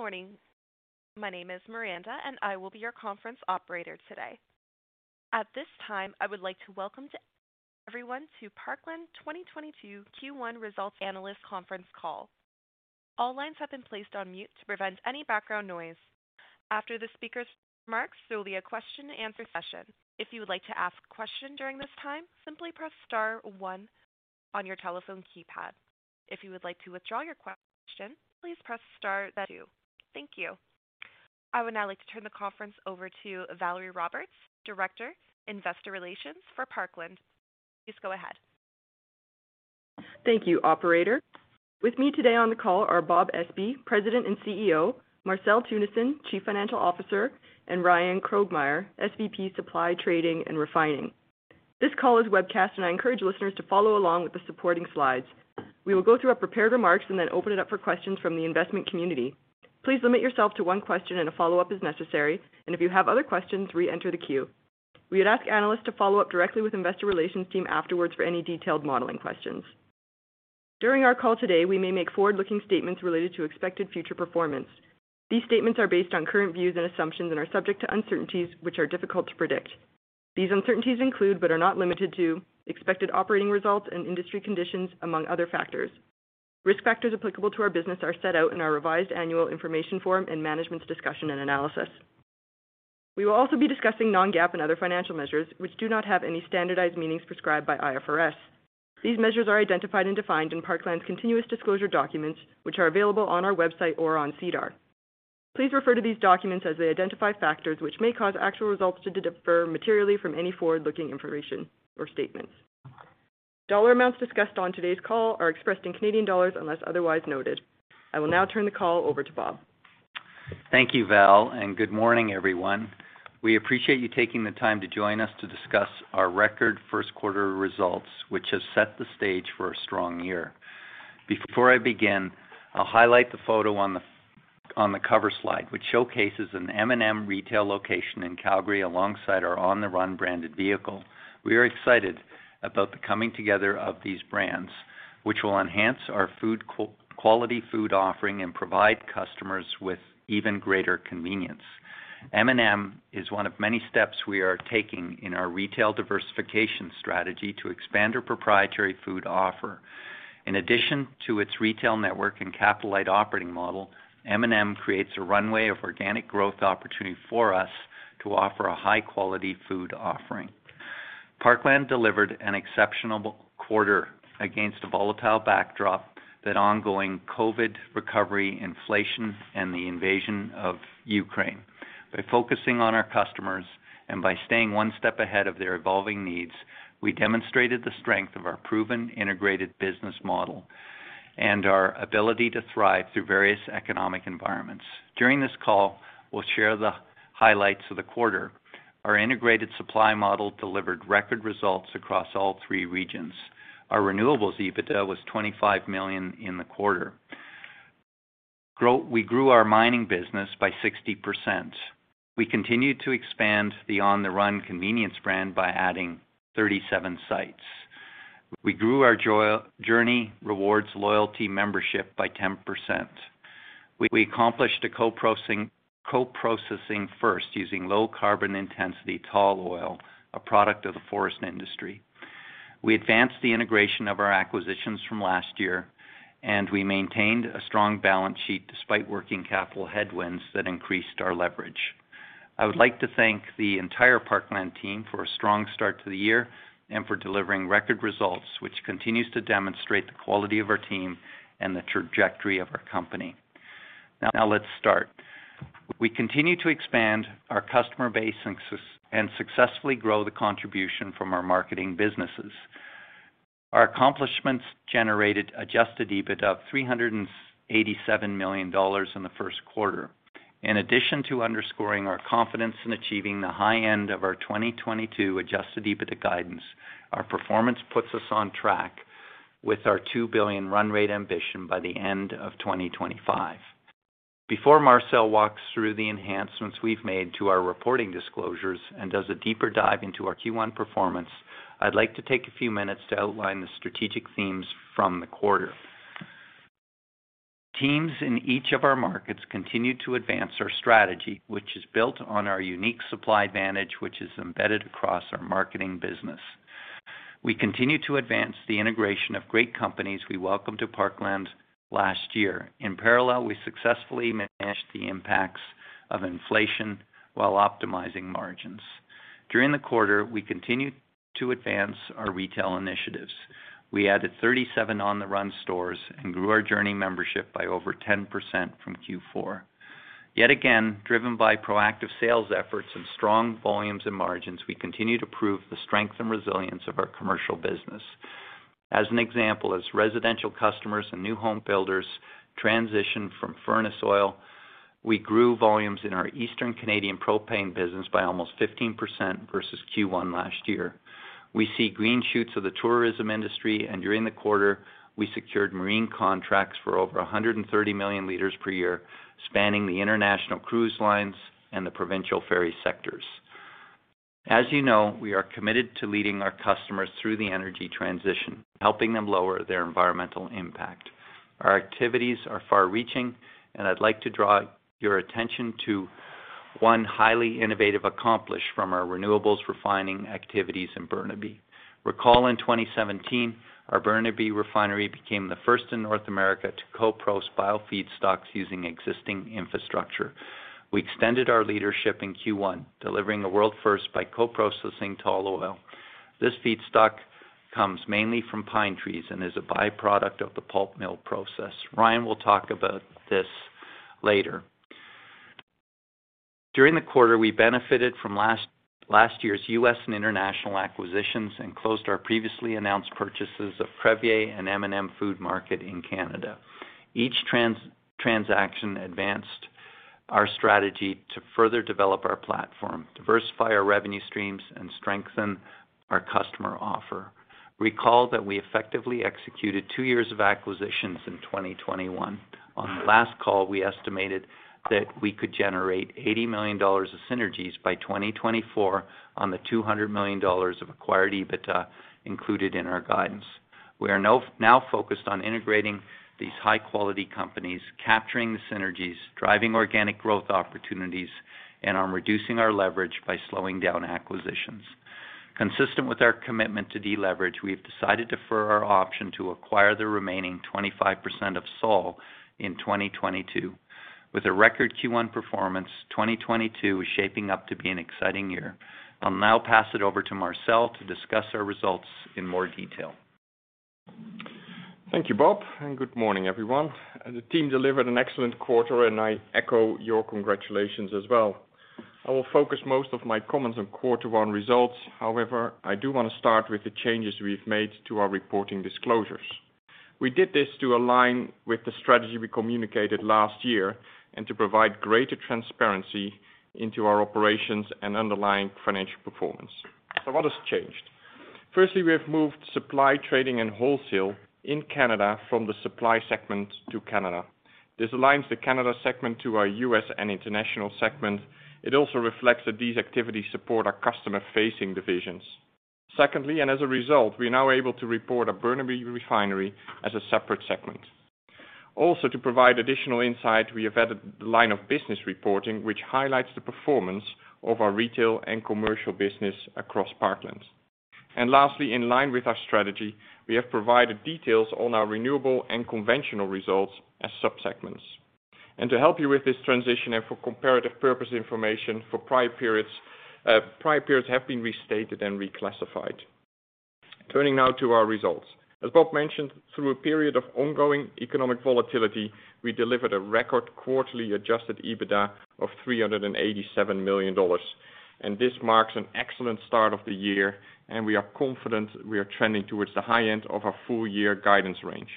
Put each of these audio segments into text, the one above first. Good morning. My name is Miranda, and I will be your conference operator today. At this time, I would like to welcome everyone to Parkland 2022 Q1 Results Analyst Conference Call. All lines have been placed on mute to prevent any background noise. After the speaker's remarks, there will be a question-and-answer session. If you would like to ask a question during this time, simply press star one on your telephone keypad. If you would like to withdraw your question, please press star two. Thank you. I would now like to turn the conference over to Valerie Roberts, Director, Investor Relations for Parkland. Please go ahead. Thank you, operator. With me today on the call are Bob Espey, President and CEO, Marcel Teunissen, Chief Financial Officer, and Ryan Krogmeier, SVP Supply, Trading, and Refining. This call is webcast, and I encourage listeners to follow along with the supporting slides. We will go through our prepared remarks and then open it up for questions from the investment community. Please limit yourself to one question and a follow-up as necessary, and if you have other questions, re-enter the queue. We would ask analysts to follow up directly with investor relations team afterwards for any detailed modeling questions. During our call today, we may make forward-looking statements related to expected future performance. These statements are based on current views and assumptions and are subject to uncertainties which are difficult to predict. These uncertainties include, but are not limited to, expected operating results and industry conditions, among other factors. Risk factors applicable to our business are set out in our revised annual information form and management's discussion and analysis. We will also be discussing non-GAAP and other financial measures which do not have any standardized meanings prescribed by IFRS. These measures are identified and defined in Parkland's continuous disclosure documents, which are available on our website or on SEDAR. Please refer to these documents as they identify factors which may cause actual results to differ materially from any forward-looking information or statements. Dollar amounts discussed on today's call are expressed in Canadian dollars unless otherwise noted. I will now turn the call over to Bob. Thank you, Val, and good morning, everyone. We appreciate you taking the time to join us to discuss our record first quarter results, which has set the stage for a strong year. Before I begin, I'll highlight the photo on the cover slide, which showcases an M&M retail location in Calgary alongside our On the Run branded vehicle. We are excited about the coming together of these brands, which will enhance our food quality food offering and provide customers with even greater convenience. M&M is one of many steps we are taking in our retail diversification strategy to expand our proprietary food offer. In addition to its retail network and capital light operating model, M&M creates a runway of organic growth opportunity for us to offer a high-quality food offering. Parkland delivered an exceptional quarter against a volatile backdrop of the ongoing COVID recovery, inflation, and the invasion of Ukraine. By focusing on our customers and by staying one step ahead of their evolving needs, we demonstrated the strength of our proven integrated business model and our ability to thrive through various economic environments. During this call, we'll share the highlights of the quarter. Our integrated supply model delivered record results across all three regions. Our Renewables EBITDA was 25 million in the quarter. We grew our mining business by 60%. We continued to expand the On the Run convenience brand by adding 37 sites. We grew our Journie Rewards loyalty membership by 10%. We accomplished a co-processing first using low carbon intensity tall oil, a product of the forest industry. We advanced the integration of our acquisitions from last year, and we maintained a strong balance sheet despite working capital headwinds that increased our leverage. I would like to thank the entire Parkland team for a strong start to the year and for delivering record results, which continues to demonstrate the quality of our team and the trajectory of our company. Now, let's start. We continue to expand our customer base and successfully grow the contribution from our marketing businesses. Our accomplishments generated Adjusted EBITDA of 387 million dollars in the first quarter. In addition to underscoring our confidence in achieving the high end of our 2022 Adjusted EBITDA guidance, our performance puts us on track with our 2 billion run rate ambition by the end of 2025. Before Marcel walks through the enhancements we've made to our reporting disclosures and does a deeper dive into our Q1 performance, I'd like to take a few minutes to outline the strategic themes from the quarter. Teams in each of our markets continue to advance our strategy, which is built on our unique supply advantage, which is embedded across our marketing business. We continue to advance the integration of great companies we welcomed to Parkland last year. In parallel, we successfully managed the impacts of inflation while optimizing margins. During the quarter, we continued to advance our retail initiatives. We added 37 On the Run stores and grew our Journie membership by over 10% from Q4. Yet again, driven by proactive sales efforts and strong volumes and margins, we continue to prove the strength and resilience of our commercial business. As an example, as residential customers and new home builders transition from furnace oil, we grew volumes in our Eastern Canadian propane business by almost 15% versus Q1 last year. We see green shoots of the tourism industry, and during the quarter, we secured marine contracts for over 130 million liters per year, spanning the international cruise lines and the provincial ferry sectors. As you know, we are committed to leading our customers through the energy transition, helping them lower their environmental impact. Our activities are far-reaching, and I'd like to draw your attention to one highly innovative accomplishment from our renewables refining activities in Burnaby. Recall in 2017, our Burnaby refinery became the first in North America to co-process bio feedstocks using existing infrastructure. We extended our leadership in Q1, delivering a world first by co-processing tall oil. This feedstock comes mainly from pine trees and is a byproduct of the pulp mill process. Ryan will talk about this later. During the quarter, we benefited from last year's U.S. and international acquisitions and closed our previously announced purchases of Crevier and M&M Food Market in Canada. Each transaction advanced our strategy to further develop our platform, diversify our revenue streams, and strengthen our customer offer. Recall that we effectively executed two years of acquisitions in 2021. On the last call, we estimated that we could generate 80 million dollars of synergies by 2024 on the 200 million dollars of acquired EBITDA included in our guidance. We are now focused on integrating these high-quality companies, capturing the synergies, driving organic growth opportunities, and on reducing our leverage by slowing down acquisitions. Consistent with our commitment to deleverage, we have decided to defer our option to acquire the remaining 25% of Sol in 2022. With a record Q1 performance, 2022 is shaping up to be an exciting year. I'll now pass it over to Marcel to discuss our results in more detail. Thank you, Bob, and good morning, everyone. The team delivered an excellent quarter, and I echo your congratulations as well. I will focus most of my comments on quarter-one results. However, I do want to start with the changes we've made to our reporting disclosures. We did this to align with the strategy we communicated last year and to provide greater transparency into our operations and underlying financial performance. So what has changed? Firstly, we have moved supply, trading, and wholesale in Canada from the supply segment to Canada. This aligns the Canada segment to our U.S. and international segment. It also reflects that these activities support our customer-facing divisions. Secondly, and as a result, we are now able to report our Burnaby Refinery as a separate segment. To provide additional insight, we have added the line of business reporting, which highlights the performance of our retail and commercial business across Parkland. Lastly, in line with our strategy, we have provided details on our renewable and conventional results as sub-segments. To help you with this transition and for comparative purposes information for prior periods, prior periods have been restated and reclassified. Turning now to our results. As Bob mentioned, through a period of ongoing economic volatility, we delivered a record quarterly Adjusted EBITDA of 387 million dollars. This marks an excellent start of the year, and we are confident we are trending towards the high end of our full-year guidance range.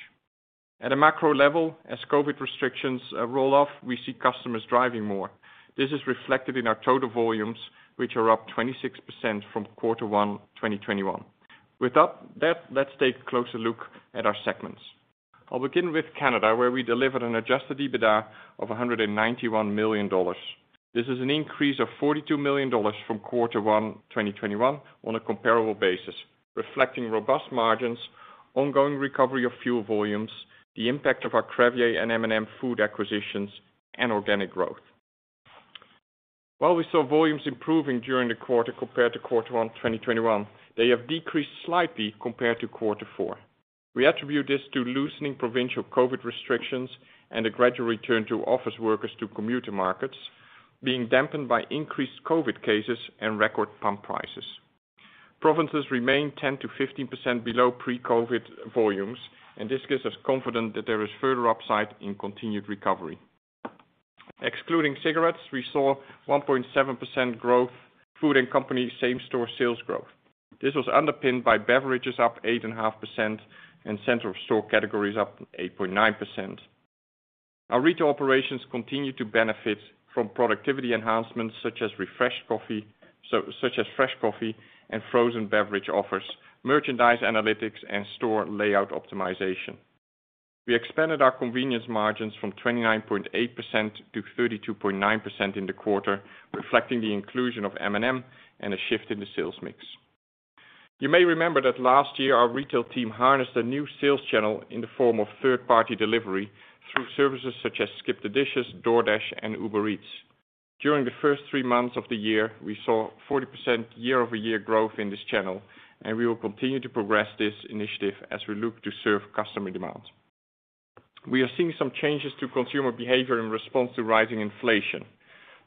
At a macro level, as COVID restrictions roll off, we see customers driving more. This is reflected in our total volumes, which are up 26% from quarter one, 2021. With that, let's take a closer look at our segments. I'll begin with Canada, where we delivered an Adjusted EBITDA of 191 million dollars. This is an increase of 42 million dollars from quarter one, 2021 on a comparable basis, reflecting robust margins, ongoing recovery of fuel volumes, the impact of our Crevier and M&M Food Market acquisitions, and organic growth. While we saw volumes improving during the quarter compared to quarter one, 2021, they have decreased slightly compared to quarter four. We attribute this to loosening provincial COVID restrictions and a gradual return to office workers to commuter markets being dampened by increased COVID cases and record pump prices. Provinces remain 10%-15% below pre-COVID volumes, and this gives us confidence that there is further upside in continued recovery. Excluding cigarettes, we saw 1.7% growth in food and convenience same-store sales growth. This was underpinned by beverages up 8.5% and center-of-store categories up 8.9%. Our retail operations continue to benefit from productivity enhancements such as refreshed coffee and frozen beverage offers, merchandise analytics, and store layout optimization. We expanded our convenience margins from 29.8%-32.9% in the quarter, reflecting the inclusion of M&M and a shift in the sales mix. You may remember that last year, our retail team harnessed a new sales channel in the form of third-party delivery through services such as SkipTheDishes, DoorDash, and Uber Eats. During the first three months of the year, we saw 40% year-over-year growth in this channel, and we will continue to progress this initiative as we look to serve customer demand. We are seeing some changes to consumer behavior in response to rising inflation.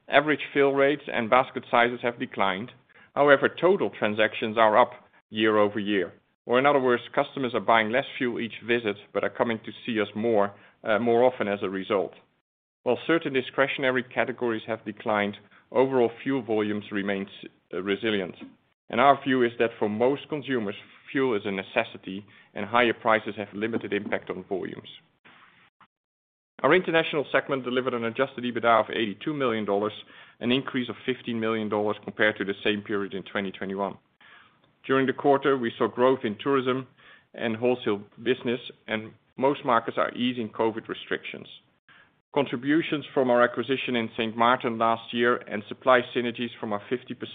Average fill rates and basket sizes have declined. However, total transactions are up year-over-year, or in other words, customers are buying less fuel each visit but are coming to see us more, more often as a result. While certain discretionary categories have declined, overall fuel volumes remains resilient. Our view is that for most consumers, fuel is a necessity, and higher prices have limited impact on volumes. Our international segment delivered an Adjusted EBITDA of 82 million dollars, an increase of 15 million dollars compared to the same period in 2021. During the quarter, we saw growth in tourism and wholesale business, and most markets are easing COVID restrictions. Contributions from our acquisition in Saint Martin last year and supply synergies from our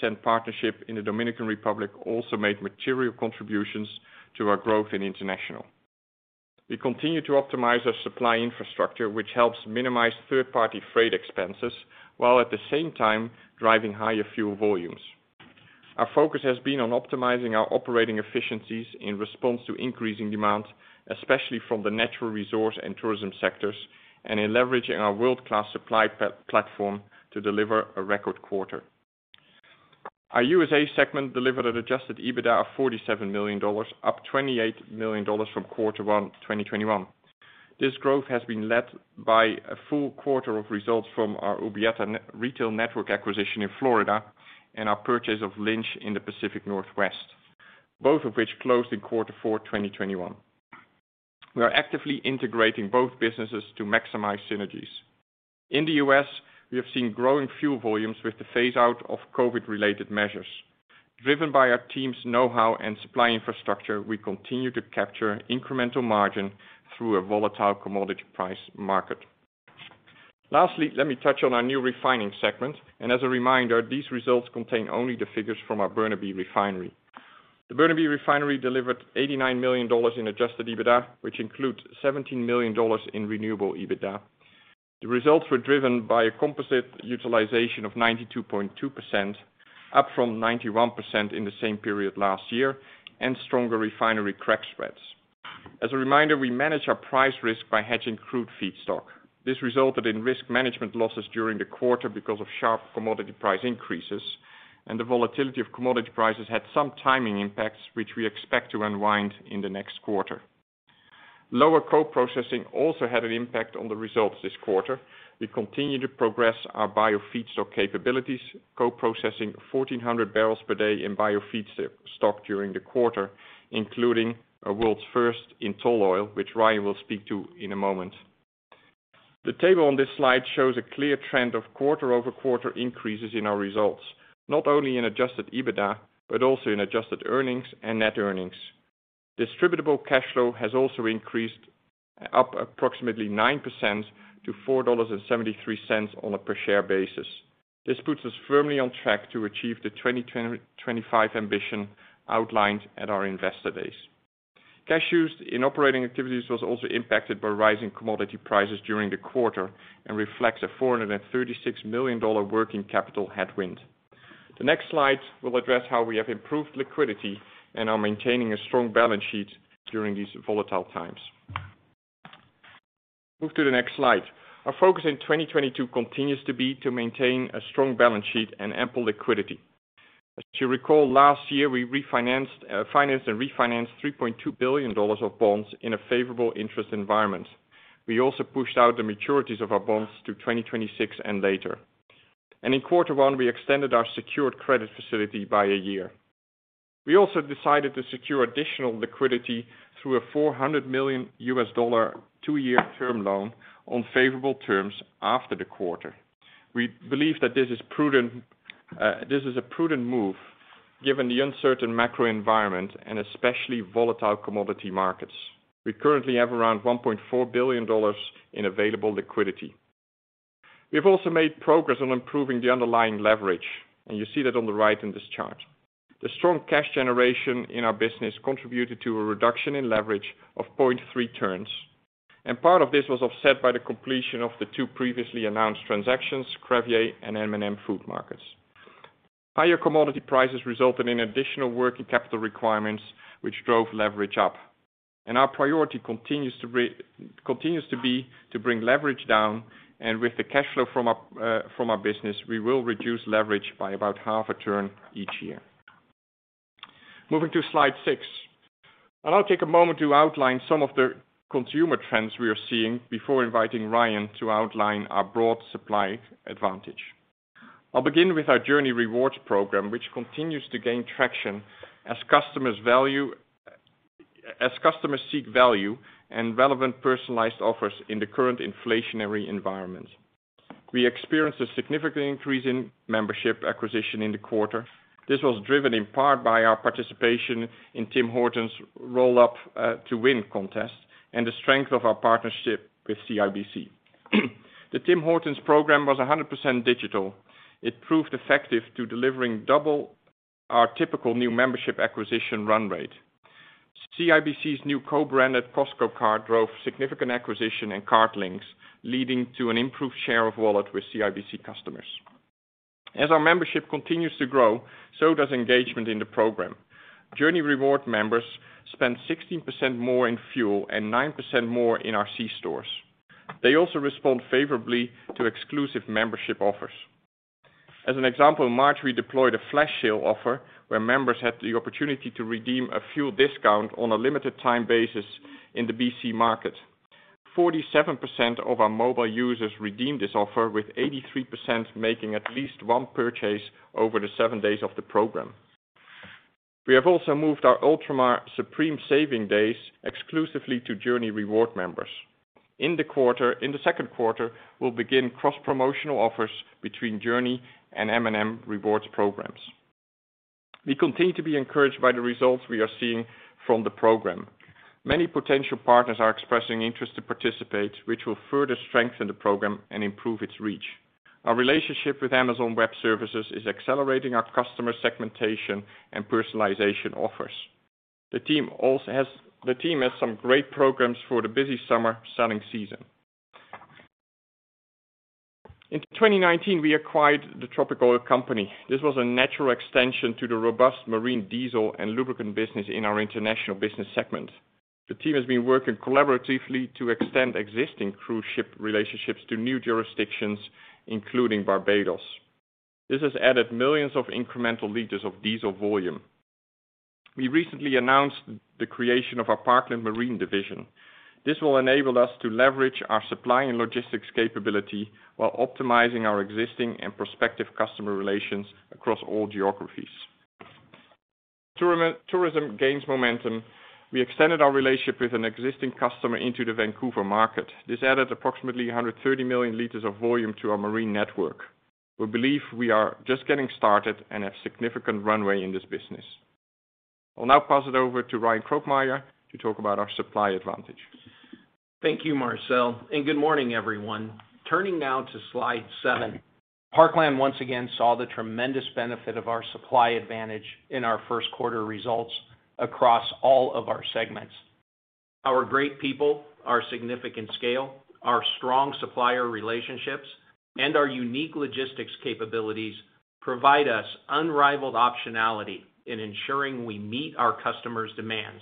50% partnership in the Dominican Republic also made material contributions to our growth in international. We continue to optimize our supply infrastructure, which helps minimize third-party freight expenses, while at the same time driving higher fuel volumes. Our focus has been on optimizing our operating efficiencies in response to increasing demand, especially from the natural resource and tourism sectors, and in leveraging our world-class supply platform to deliver a record quarter. Our U.S.A. segment delivered an Adjusted EBITDA of 47 million dollars, up 28 million dollars from quarter one, 2021. This growth has been led by a full quarter of results from our Urbieta retail network acquisition in Florida and our purchase of Lynch Oil in the Pacific Northwest, both of which closed in quarter four, 2021. We are actively integrating both businesses to maximize synergies. In the U.S., we have seen growing fuel volumes with the phase-out of COVID-related measures. Driven by our team's know-how and supply infrastructure, we continue to capture incremental margin through a volatile commodity price market. Lastly, let me touch on our new refining segment. As a reminder, these results contain only the figures from our Burnaby Refinery. The Burnaby Refinery delivered 89 million dollars in Adjusted EBITDA, which includes 17 million dollars in renewable EBITDA. The results were driven by a composite utilization of 92.2%, up from 91% in the same period last year, and stronger refinery crack spreads. As a reminder, we manage our price risk by hedging crude feedstock. This resulted in risk management losses during the quarter because of sharp commodity price increases, and the volatility of commodity prices had some timing impacts, which we expect to unwind in the next quarter. Lower co-processing also had an impact on the results this quarter. We continue to progress our biofeedstock capabilities, co-processing 1,400 barrels per day in biofeedstock during the quarter, including a world's first in tall oil, which Ryan will speak to in a moment. The table on this slide shows a clear trend of quarter-over-quarter increases in our results, not only in Adjusted EBITDA, but also in adjusted earnings and net earnings. Distributable Cash Flow has also increased, up approximately 9% to 4.73 dollars on a per share basis. This puts us firmly on track to achieve the 2025 ambition outlined at our investor days. Cash used in operating activities was also impacted by rising commodity prices during the quarter and reflects a 436 million dollar working capital headwind. The next slide will address how we have improved liquidity and are maintaining a strong balance sheet during these volatile times. Move to the next slide. Our focus in 2022 continues to be to maintain a strong balance sheet and ample liquidity. As you recall, last year, we refinanced, financed and refinanced 3.2 billion dollars of bonds in a favorable interest environment. We also pushed out the maturities of our bonds to 2026 and later. In quarter one, we extended our secured credit facility by a year. We also decided to secure additional liquidity through a $400 million two-year term loan on favorable terms after the quarter. We believe that this is prudent, this is a prudent move given the uncertain macro environment and especially volatile commodity markets. We currently have around 1.4 billion dollars in available liquidity. We have also made progress on improving the underlying leverage, and you see that on the right in this chart. The strong cash generation in our business contributed to a reduction in leverage of zero point three turns, and part of this was offset by the completion of the two previously announced transactions, Crevier and M&M Food Market. Higher commodity prices resulted in additional working capital requirements, which drove leverage up. Our priority continues to be to bring leverage down. With the cash flow from our business, we will reduce leverage by about half a turn each year. Moving to slide six. I'll take a moment to outline some of the consumer trends we are seeing before inviting Ryan to outline our broad supply advantage. I'll begin with our Journie Rewards program, which continues to gain traction as customers seek value and relevant personalized offers in the current inflationary environment. We experienced a significant increase in membership acquisition in the quarter. This was driven in part by our participation in Tim Hortons' Roll Up to Win contest and the strength of our partnership with CIBC. The Tim Hortons program was 100% digital. It proved effective to delivering double our typical new membership acquisition run rate. CIBC's new co-branded Costco card drove significant acquisition and card links, leading to an improved share of wallet with CIBC customers. As our membership continues to grow, so does engagement in the program. Journie Rewards members spend 16% more in fuel and 9% more in our C stores. They also respond favorably to exclusive membership offers. As an example, in March, we deployed a flash sale offer where members had the opportunity to redeem a fuel discount on a limited time basis in the BC market. 47% of our mobile users redeemed this offer, with 83% making at least one purchase over the seven days of the program. We have also moved our Ultramar Supreme Saving Days exclusively to Journie Rewards members. In the second quarter, we'll begin cross-promotional offers between Journie Rewards and M&M rewards programs. We continue to be encouraged by the results we are seeing from the program. Many potential partners are expressing interest to participate, which will further strengthen the program and improve its reach. Our relationship with Amazon Web Services is accelerating our customer segmentation and personalization offers. The team also has some great programs for the busy summer selling season. In 2019, we acquired Tropic Oil Company. This was a natural extension to the robust marine diesel and lubricant business in our international business segment. The team has been working collaboratively to extend existing cruise ship relationships to new jurisdictions, including Barbados. This has added millions of incremental liters of diesel volume. We recently announced the creation of our Parkland Marine division. This will enable us to leverage our supply and logistics capability while optimizing our existing and prospective customer relations across all geographies. Tourism gains momentum, we extended our relationship with an existing customer into the Vancouver market. This added approximately 130 million liters of volume to our marine network. We believe we are just getting started and have significant runway in this business. I'll now pass it over to Ryan Krogmeier to talk about our supply advantage. Thank you, Marcel, and good morning, everyone. Turning now to slide seven. Parkland once again saw the tremendous benefit of our supply advantage in our first quarter results across all of our segments. Our great people, our significant scale, our strong supplier relationships, and our unique logistics capabilities provide us unrivaled optionality in ensuring we meet our customers' demands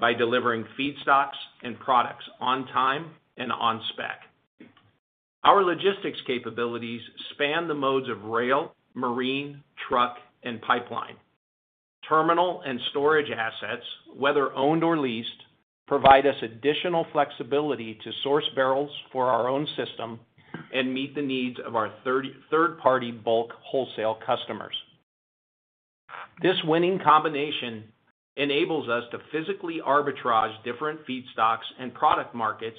by delivering feedstocks and products on time and on spec. Our logistics capabilities span the modes of rail, marine, truck, and pipeline. Terminal and storage assets, whether owned or leased, provide us additional flexibility to source barrels for our own system and meet the needs of our third-party bulk wholesale customers. This winning combination enables us to physically arbitrage different feedstocks and product markets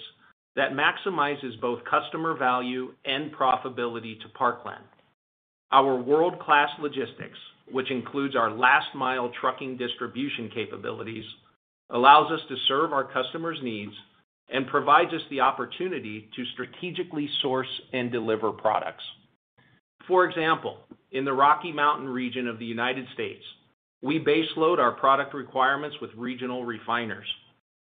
that maximizes both customer value and profitability to Parkland. Our world-class logistics, which includes our last-mile trucking distribution capabilities, allows us to serve our customers' needs and provides us the opportunity to strategically source and deliver products. For example, in the Rocky Mountain region of the United States, we baseload our product requirements with regional refiners.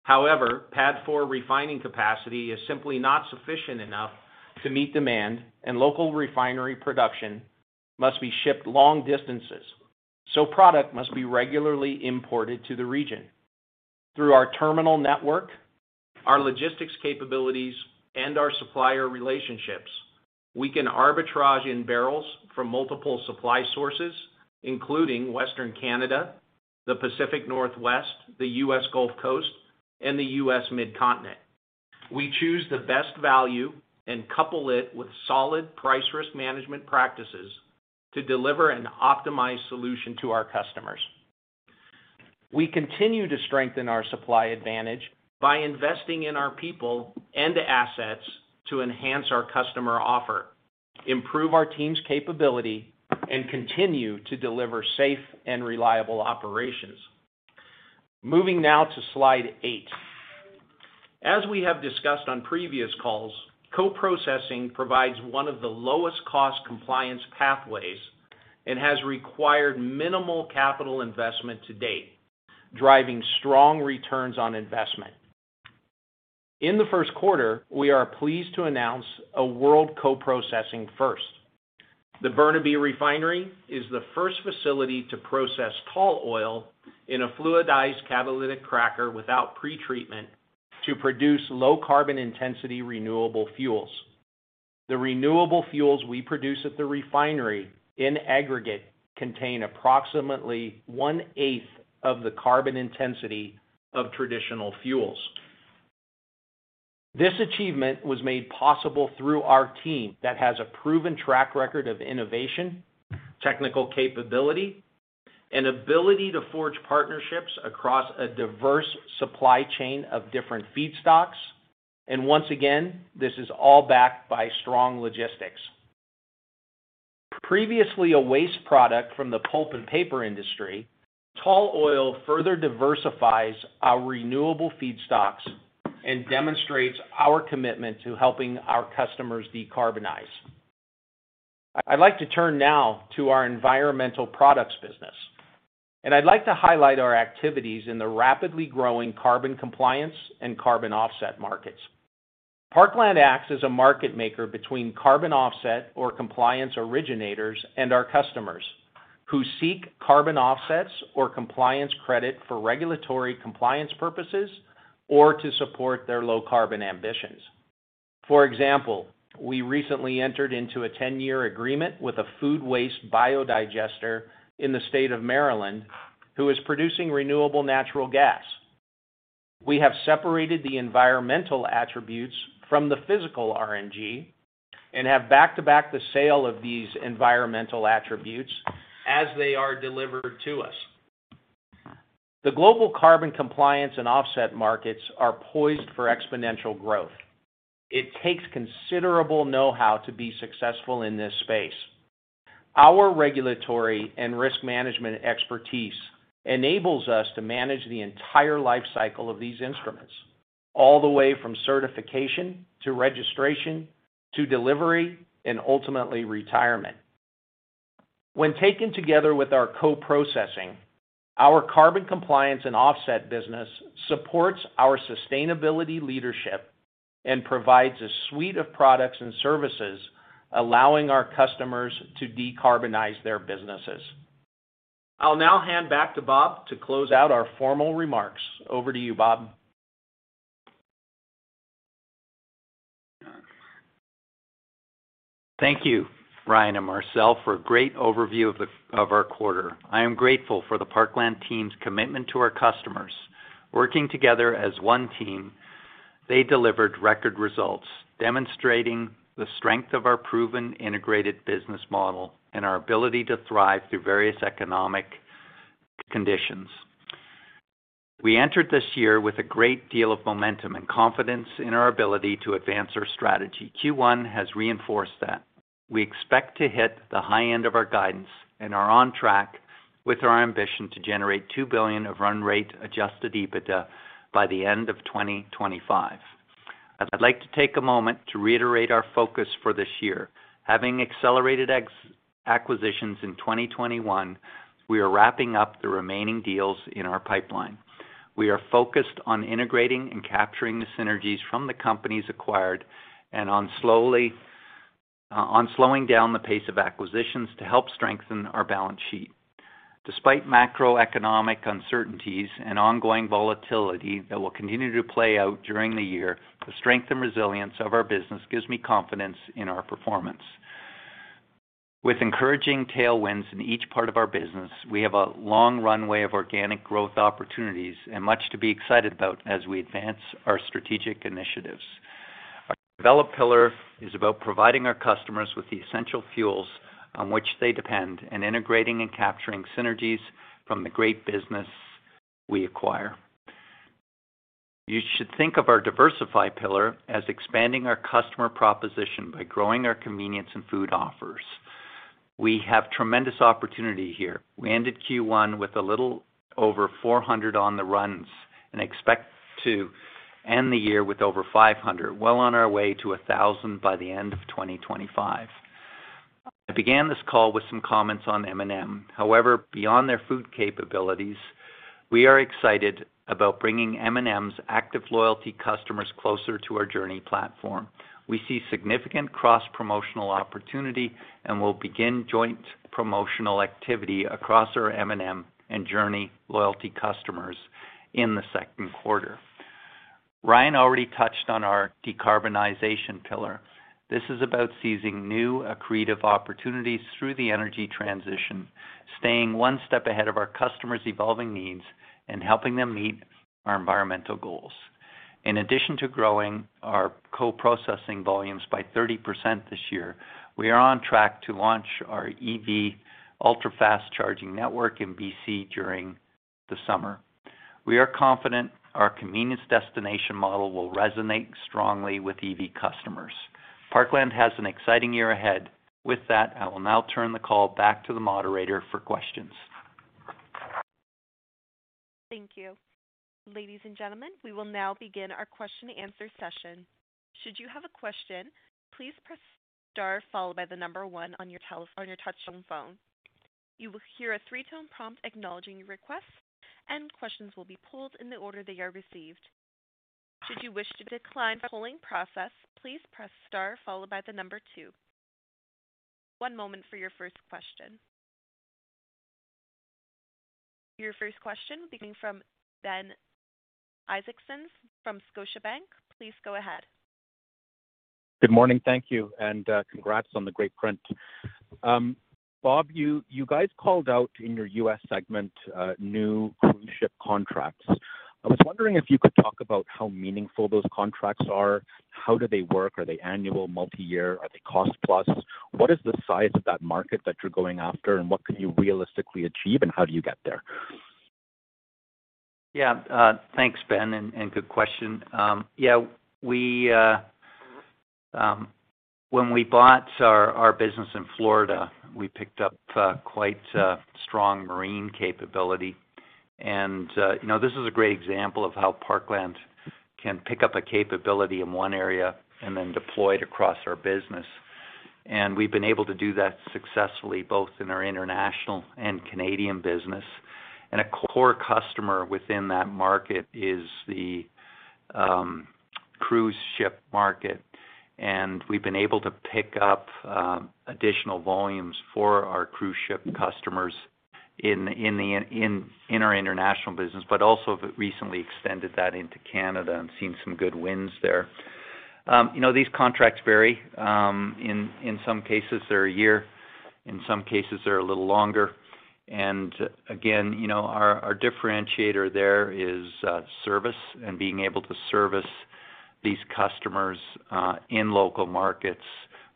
However, PADD 4 refining capacity is simply not sufficient enough to meet demand, and local refinery production must be shipped long distances, so product must be regularly imported to the region. Through our terminal network, our logistics capabilities, and our supplier relationships, we can arbitrage in barrels from multiple supply sources, including Western Canada, the Pacific Northwest, the U.S. Gulf Coast, and the U.S. Mid-Continent. We choose the best value and couple it with solid price risk management practices to deliver an optimized solution to our customers. We continue to strengthen our supply advantage by investing in our people and the assets to enhance our customer offer, improve our team's capability, and continue to deliver safe and reliable operations. Moving now to slide eight. As we have discussed on previous calls, co-processing provides one of the lowest cost compliance pathways and has required minimal capital investment to date, driving strong returns on investment. In the first quarter, we are pleased to announce a world co-processing first. The Burnaby Refinery is the first facility to process tall oil in a fluidized catalytic cracker without pretreatment to produce low carbon intensity renewable fuels. The renewable fuels we produce at the refinery, in aggregate, contain approximately one-eighth of the carbon intensity of traditional fuels. This achievement was made possible through our team that has a proven track record of innovation, technical capability, and ability to forge partnerships across a diverse supply chain of different feedstocks. Once again, this is all backed by strong logistics. Previously, a waste product from the pulp and paper industry, tall oil further diversifies our renewable feedstocks and demonstrates our commitment to helping our customers decarbonize. I'd like to turn now to our environmental products business, and I'd like to highlight our activities in the rapidly growing carbon compliance and carbon offset markets. Parkland acts as a market maker between carbon offset or compliance originators and our customers who seek carbon offsets or compliance credit for regulatory compliance purposes or to support their low carbon ambitions. For example, we recently entered into a 10-year agreement with a food waste biodigester in the state of Maryland who is producing renewable natural gas. We have separated the environmental attributes from the physical RNG and have back-to-back the sale of these environmental attributes as they are delivered to us. The global carbon compliance and offset markets are poised for exponential growth. It takes considerable know-how to be successful in this space. Our regulatory and risk management expertise enables us to manage the entire life cycle of these instruments, all the way from certification to registration to delivery and ultimately retirement. When taken together with our co-processing, our carbon compliance and offset business supports our sustainability leadership and provides a suite of products and services, allowing our customers to decarbonize their businesses. I'll now hand back to Bob to close out our formal remarks. Over to you, Bob. Thank you, Ryan and Marcel, for a great overview of our quarter. I am grateful for the Parkland team's commitment to our customers. Working together as one team, they delivered record results demonstrating the strength of our proven integrated business model and our ability to thrive through various economic conditions. We entered this year with a great deal of momentum and confidence in our ability to advance our strategy. Q1 has reinforced that. We expect to hit the high end of our guidance and are on track with our ambition to generate 2 billion of run rate adjusted EBITDA by the end of 2025. I'd like to take a moment to reiterate our focus for this year. Having accelerated ex-acquisitions in 2021, we are wrapping up the remaining deals in our pipeline. We are focused on integrating and capturing the synergies from the companies acquired and on slowing down the pace of acquisitions to help strengthen our balance sheet. Despite macroeconomic uncertainties and ongoing volatility that will continue to play out during the year, the strength and resilience of our business gives me confidence in our performance. With encouraging tailwinds in each part of our business, we have a long runway of organic growth opportunities and much to be excited about as we advance our strategic initiatives. Our develop pillar is about providing our customers with the essential fuels on which they depend, and integrating and capturing synergies from the great business we acquire. You should think of our diversify pillar as expanding our customer proposition by growing our convenience and food offers. We have tremendous opportunity here. We ended Q1 with a little over 400 On the Run's and expect to end the year with over 500, well on our way to 1,000 by the end of 2025. I began this call with some comments on M&M. However, beyond their food capabilities, we are excited about bringing M&M's active loyalty customers closer to our Journie platform. We see significant cross-promotional opportunity, and we'll begin joint promotional activity across our M&M and Journie loyalty customers in the second quarter. Ryan already touched on our decarbonization pillar. This is about seizing new accretive opportunities through the energy transition, staying one step ahead of our customers' evolving needs, and helping them meet our environmental goals. In addition to growing our co-processing volumes by 30% this year, we are on track to launch our EV Ultra-Fast Charging Network in BC during the summer. We are confident our convenience destination model will resonate strongly with EV customers. Parkland has an exciting year ahead. With that, I will now turn the call back to the moderator for questions. Thank you. Ladies and gentlemen, we will now begin our question and answer session. Should you have a question, please press star followed by the number one on your touchtone phone. You will hear a three-tone prompt acknowledging your request, and questions will be pulled in the order they are received. Should you wish to decline from the polling process, please press star followed by the number two. One moment for your first question. Your first question will be from Ben Isaacson from Scotiabank. Please go ahead. Good morning. Thank you, and congrats on the great print. Bob, you guys called out in your U.S. segment new cruise ship contracts. I was wondering if you could talk about how meaningful those contracts are. How do they work? Are they annual, multi-year? Are they cost plus? What is the size of that market that you're going after? And what can you realistically achieve, and how do you get there? Yeah, thanks, Ben, and good question. Yeah, when we bought our business in Florida, we picked up quite a strong marine capability. You know, this is a great example of how Parkland can pick up a capability in one area and then deploy it across our business. We've been able to do that successfully both in our international and Canadian business. A core customer within that market is the cruise ship market. We've been able to pick up additional volumes for our cruise ship customers in our international business, but also have recently extended that into Canada and seen some good wins there. You know, these contracts vary. In some cases, they're a year, in some cases, they're a little longer. Again, you know, our differentiator there is service and being able to service these customers in local markets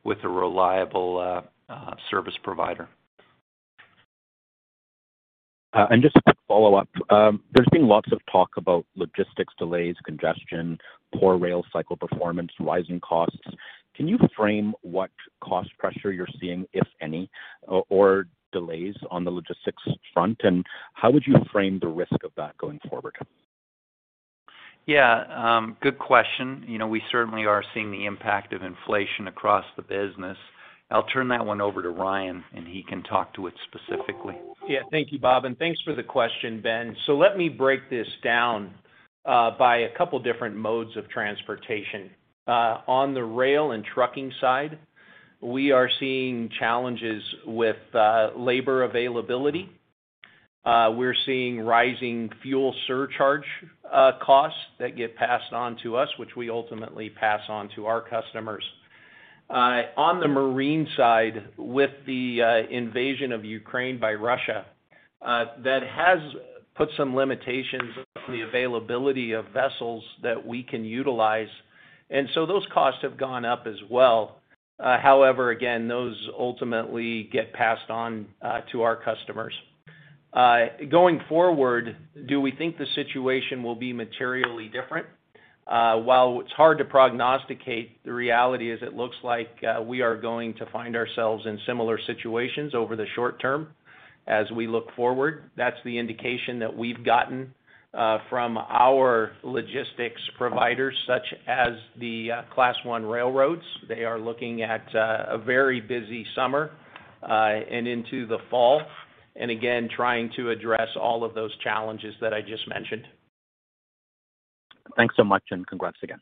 with a reliable service provider. Just a quick follow-up. There's been lots of talk about logistics delays, congestion, poor rail cycle performance, rising costs. Can you frame what cost pressure you're seeing, if any, or delays on the logistics front? How would you frame the risk of that going forward? Yeah, good question. You know, we certainly are seeing the impact of inflation across the business. I'll turn that one over to Ryan, and he can talk to it specifically. Yeah. Thank you, Bob, and thanks for the question, Ben. Let me break this down by a couple different modes of transportation. On the rail and trucking side, we are seeing challenges with labor availability. We're seeing rising fuel surcharge costs that get passed on to us, which we ultimately pass on to our customers. On the marine side, with the invasion of Ukraine by Russia, that has put some limitations on the availability of vessels that we can utilize. Those costs have gone up as well. However, again, those ultimately get passed on to our customers. Going forward, do we think the situation will be materially different? While it's hard to prognosticate, the reality is it looks like we are going to find ourselves in similar situations over the short term as we look forward. That's the indication that we've gotten from our logistics providers such as the Class I railroads. They are looking at a very busy summer and into the fall, and again, trying to address all of those challenges that I just mentioned. Thanks so much and congrats again.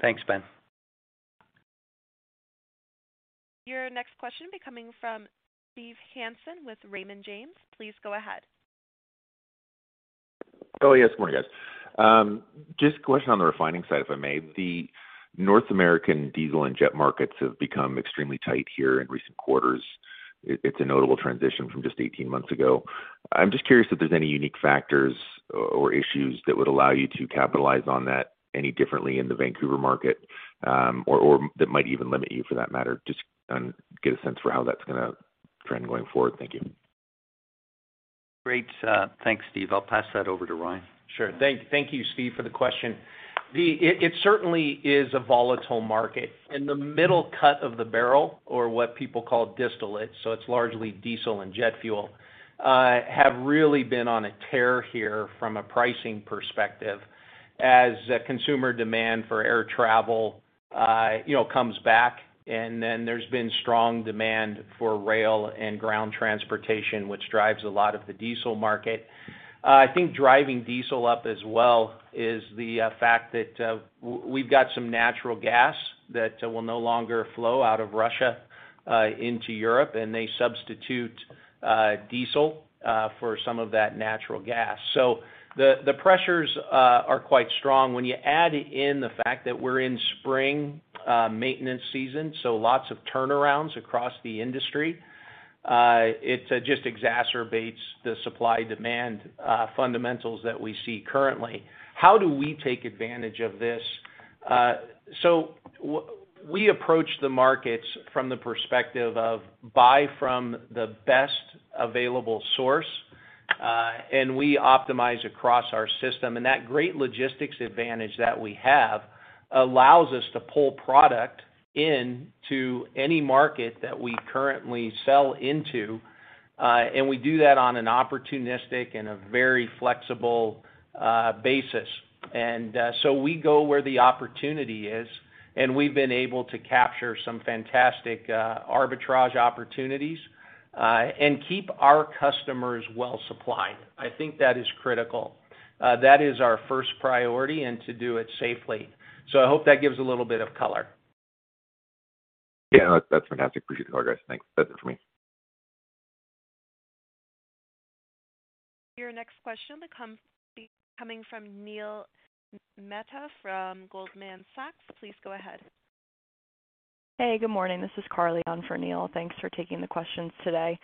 Thanks, Ben. Your next question will be coming from Steve Hansen with Raymond James. Please go ahead. Oh, yes. Good morning, guys. Just a question on the refining side, if I may. The North American diesel and jet markets have become extremely tight here in recent quarters. It's a notable transition from just eighteen months ago. I'm just curious if there's any unique factors or issues that would allow you to capitalize on that any differently in the Vancouver market, or that might even limit you for that matter, just get a sense for how that's gonna trend going forward. Thank you. Great. Thanks, Steve. I'll pass that over to Ryan. Sure. Thank you, Steve, for the question. It certainly is a volatile market. In the middle cut of the barrel or what people call distillate, so it's largely diesel and jet fuel have really been on a tear here from a pricing perspective as consumer demand for air travel you know comes back, and then there's been strong demand for rail and ground transportation, which drives a lot of the diesel market. I think driving diesel up as well is the fact that we've got some natural gas that will no longer flow out of Russia into Europe, and they substitute diesel for some of that natural gas. The pressures are quite strong. When you add in the fact that we're in spring maintenance season, so lots of turnarounds across the industry, it just exacerbates the supply-demand fundamentals that we see currently. How do we take advantage of this? We approach the markets from the perspective of buy from the best available source, and we optimize across our system. That great logistics advantage that we have allows us to pull product into any market that we currently sell into, and we do that on an opportunistic and a very flexible basis. We go where the opportunity is, and we've been able to capture some fantastic arbitrage opportunities, and keep our customers well supplied. I think that is critical. That is our first priority, and to do it safely. I hope that gives a little bit of color. Yeah. No, that's fantastic. Appreciate the color, guys. Thanks. That's it for me. Your next question will be coming from Neil Mehta from Goldman Sachs. Please go ahead. Hey, good morning. This is Carly on for Neil. Thanks for taking the questions today.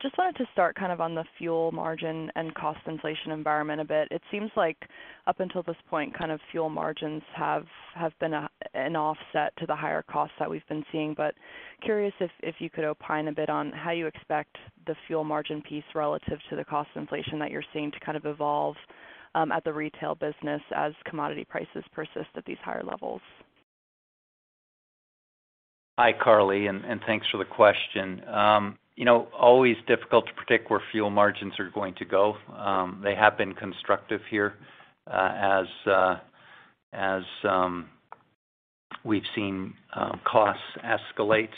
Just wanted to start kind of on the fuel margin and cost inflation environment a bit. It seems like up until this point, kind of fuel margins have been an offset to the higher costs that we've been seeing. Curious if you could opine a bit on how you expect the fuel margin piece relative to the cost inflation that you're seeing to kind of evolve at the retail business as commodity prices persist at these higher levels. Hi, Carly, and thanks for the question. You know, always difficult to predict where fuel margins are going to go. They have been constructive here, as we've seen costs escalate.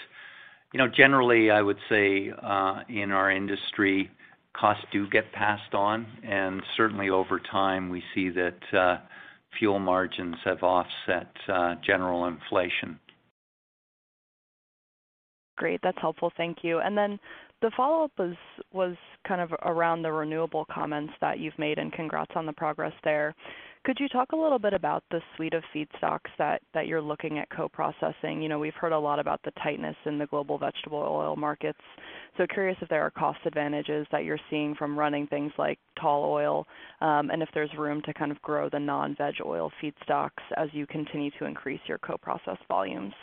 You know, generally, I would say, in our industry, costs do get passed on, and certainly over time, we see that fuel margins have offset general inflation. Great. That's helpful. Thank you. The follow-up was kind of around the renewable comments that you've made, and congrats on the progress there. Could you talk a little bit about the suite of feedstocks that you're looking at co-processing? You know, we've heard a lot about the tightness in the global vegetable oil markets. Curious if there are cost advantages that you're seeing from running things like tall oil, and if there's room to kind of grow the non-veg oil feedstocks as you continue to increase your co-process volumes.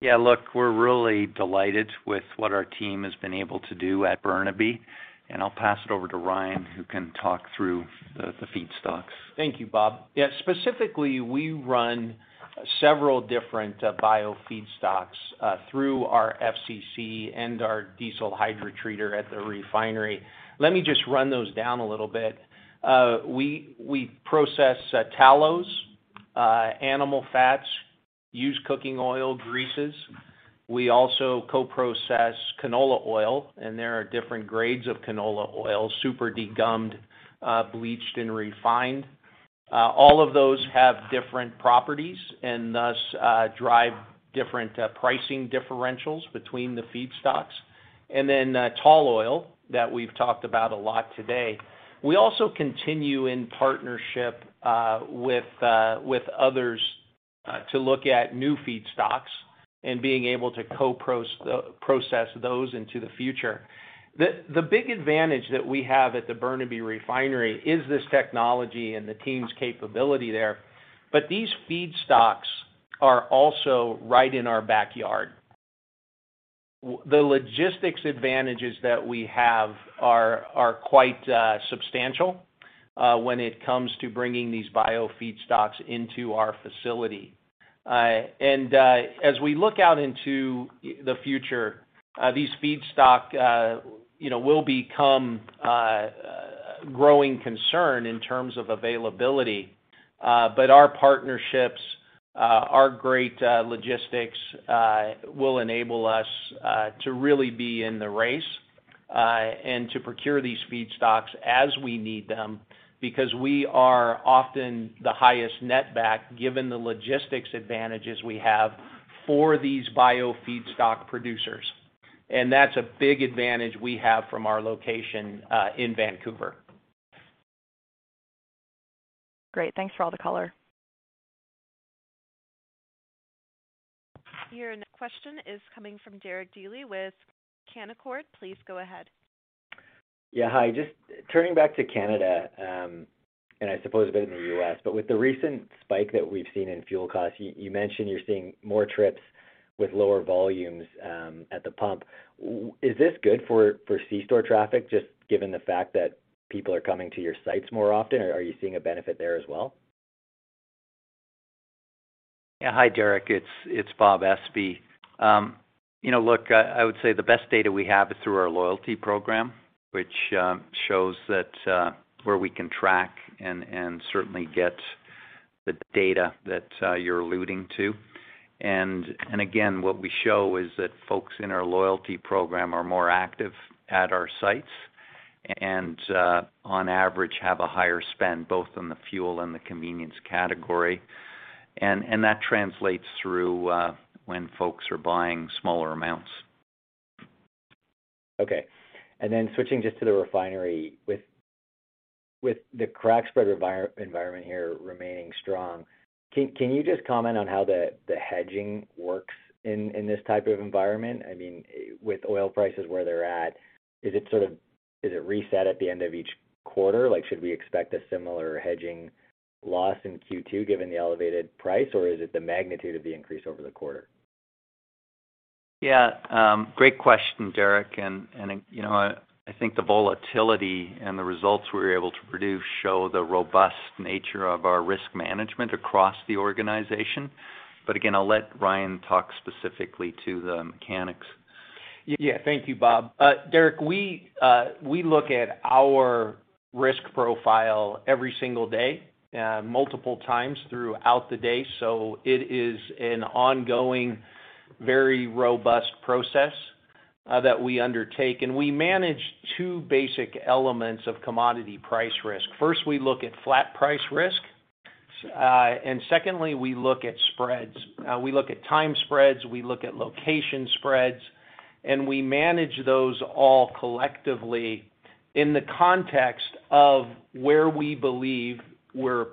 Yeah. Look, we're really delighted with what our team has been able to do at Burnaby, and I'll pass it over to Ryan, who can talk through the feedstocks. Thank you, Bob. Yeah. Specifically, we run several different biofeedstocks through our FCC and our diesel hydrotreater at the refinery. Let me just run those down a little bit. We process tallow, animal fats, used cooking oil, greases. We also co-process canola oil, and there are different grades of canola oil, super degummed, bleached and refined. All of those have different properties and thus drive different pricing differentials between the feedstocks and then tall oil that we've talked about a lot today. We also continue in partnership with others to look at new feedstocks and being able to co-process those into the future. The big advantage that we have at the Burnaby Refinery is this technology and the team's capability there. These feedstocks are also right in our backyard. The logistics advantages that we have are quite substantial when it comes to bringing these biofeedstocks into our facility. As we look out into the future, these feedstocks, you know, will become a growing concern in terms of availability. Our partnerships, our great logistics, will enable us to really be in the race and to procure these feedstocks as we need them, because we are often the highest netback given the logistics advantages we have for these biofeedstocks producers. That's a big advantage we have from our location in Vancouver. Great. Thanks for all the color. Your next question is coming from Derek Dley with Canaccord. Please go ahead. Yeah, hi. Just turning back to Canada, and I suppose a bit in the U.S., but with the recent spike that we've seen in fuel costs, you mentioned you're seeing more trips with lower volumes at the pump. Is this good for C-store traffic, just given the fact that people are coming to your sites more often? Are you seeing a benefit there as well? Yeah. Hi, Derek. It's Bob Espey. You know, look, I would say the best data we have is through our loyalty program, which shows that where we can track and certainly get the data that you're alluding to. Again, what we show is that folks in our loyalty program are more active at our sites and on average, have a higher spend both on the fuel and the convenience category. That translates through when folks are buying smaller amounts. Okay. Switching just to the refinery. With the crack spread environment here remaining strong, can you just comment on how the hedging works in this type of environment? I mean, with oil prices where they're at, is it sort of reset at the end of each quarter? Like, should we expect a similar hedging loss in Q2 given the elevated price, or is it the magnitude of the increase over the quarter? Yeah, great question, Derek. You know, I think the volatility and the results we're able to produce show the robust nature of our risk management across the organization. Again, I'll let Ryan talk specifically to the mechanics. Yeah. Thank you, Bob. Derek, we look at our risk profile every single day, multiple times throughout the day. It is an ongoing, very robust process that we undertake. We manage two basic elements of commodity price risk. First, we look at flat price risk, and secondly, we look at spreads. We look at time spreads, we look at location spreads, and we manage those all collectively in the context of where we believe we're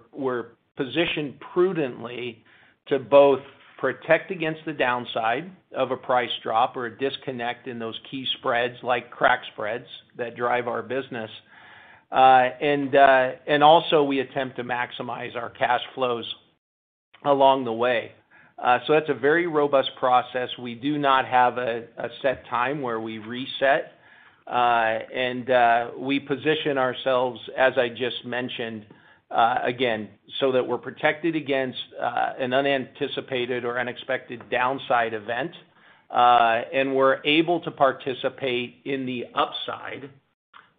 positioned prudently to both protect against the downside of a price drop or a disconnect in those key spreads, like crack spread that drive our business. We attempt to maximize our cash flows along the way. That's a very robust process. We do not have a set time where we reset and we position ourselves, as I just mentioned, again, so that we're protected against an unanticipated or unexpected downside event and we're able to participate in the upside.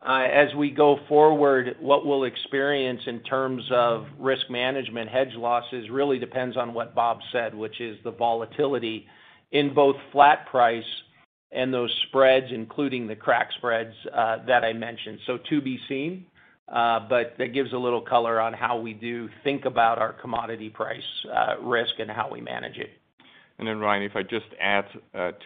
As we go forward, what we'll experience in terms of risk management hedge losses really depends on what Bob said, which is the volatility in both flat price and those spreads, including the crack spread that I mentioned. To be seen, but that gives a little color on how we do think about our commodity price risk and how we manage it. Ryan, if I just add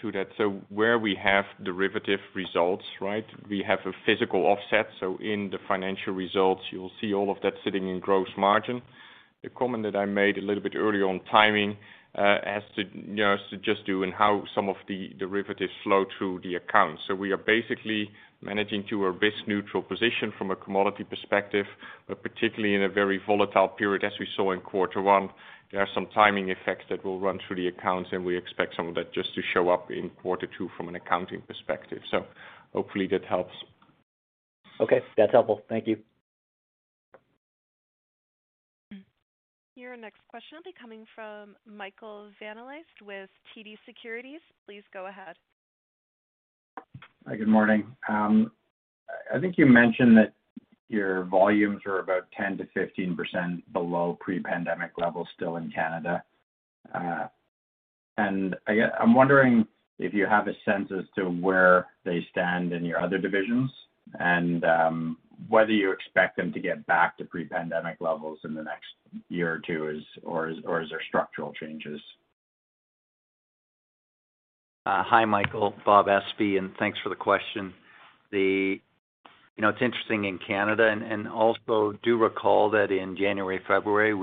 to that. Where we have derivative results, right, we have a physical offset. In the financial results, you'll see all of that sitting in gross margin. The comment that I made a little bit earlier on timing has to just do with how some of the derivatives flow through the accounts. We are basically managing to a risk neutral position from a commodity perspective, but particularly in a very volatile period as we saw in quarter one, there are some timing effects that will run through the accounts, and we expect some of that just to show up in quarter two from an accounting perspective. Hopefully that helps. Okay, that's helpful. Thank you. Your next question will be coming from Michael Van Aelst with TD Securities. Please go ahead. Hi, good morning. I think you mentioned that your volumes are about 10%-15% below pre-pandemic levels still in Canada. I'm wondering if you have a sense as to where they stand in your other divisions and whether you expect them to get back to pre-pandemic levels in the next year or two or is there structural changes? Hi, Michael. Bob Espey, and thanks for the question. You know, it's interesting in Canada and also do recall that in January, February,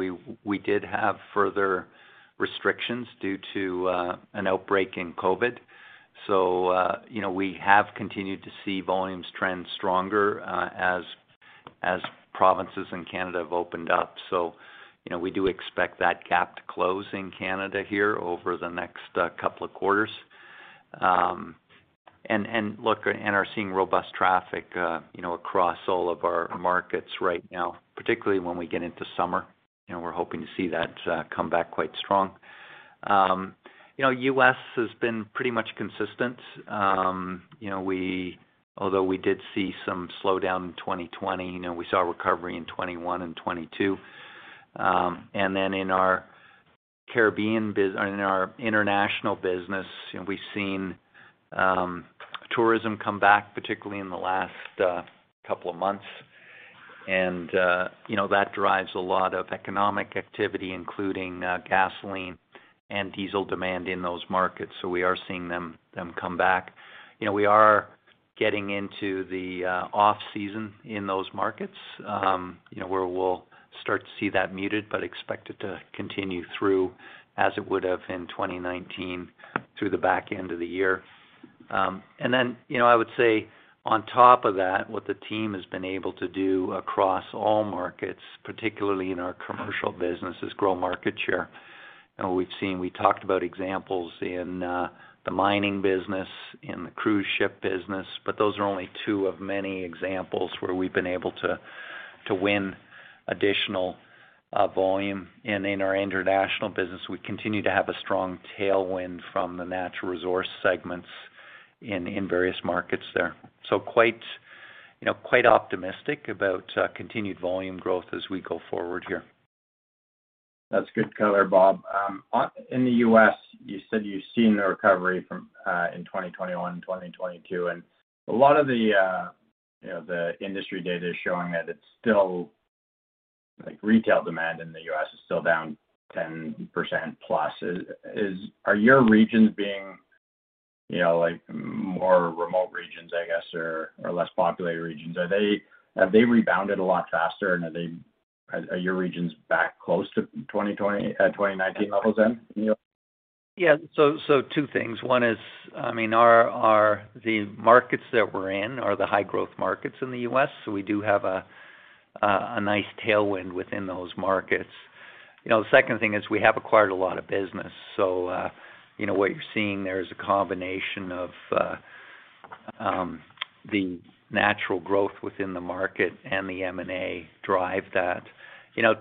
we did have further restrictions due to an outbreak in COVID. You know, we have continued to see volumes trend stronger, as provinces in Canada have opened up. You know, we do expect that gap to close in Canada here over the next couple of quarters. And look, we are seeing robust traffic, you know, across all of our markets right now, particularly when we get into summer. You know, we're hoping to see that come back quite strong. You know, U.S. has been pretty much consistent. You know, although we did see some slowdown in 2020, you know, we saw a recovery in 2021 and 2022. Then in our international business, you know, we've seen tourism come back, particularly in the last couple of months. You know, that drives a lot of economic activity, including gasoline and diesel demand in those markets. We are seeing them come back. You know, we are getting into the off-season in those markets, you know, where we'll start to see that muted but expect it to continue through as it would have in 2019 through the back end of the year. You know, I would say on top of that, what the team has been able to do across all markets, particularly in our commercial business, is grow market share. We've seen, we talked about examples in the mining business, in the cruise ship business, but those are only two of many examples where we've been able to to win additional volume. In our international business, we continue to have a strong tailwind from the natural resource segments in various markets there. Quite, you know, quite optimistic about continued volume growth as we go forward here. That's good color, Bob. In the U.S., you said you've seen the recovery in 2021 and 2022. A lot of the, you know, the industry data is showing that it's still, like, retail demand in the U.S. is still down 10% plus. Are your regions being, you know, like, more remote regions, I guess, or less populated regions? Have they rebounded a lot faster, and are your regions back close to 2019 levels then? Two things. One is, I mean, the markets that we're in are the high growth markets in the U.S., so we do have a nice tailwind within those markets. You know, the second thing is we have acquired a lot of business. You know, what you're seeing there is a combination of the natural growth within the market and the M&A drive that. You know,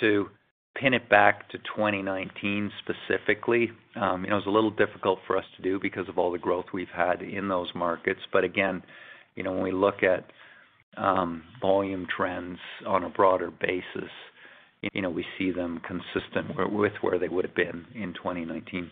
to pin it back to 2019 specifically, you know, it's a little difficult for us to do because of all the growth we've had in those markets. Again, you know, when we look at volume trends on a broader basis, you know, we see them consistent with where they would have been in 2019. Okay.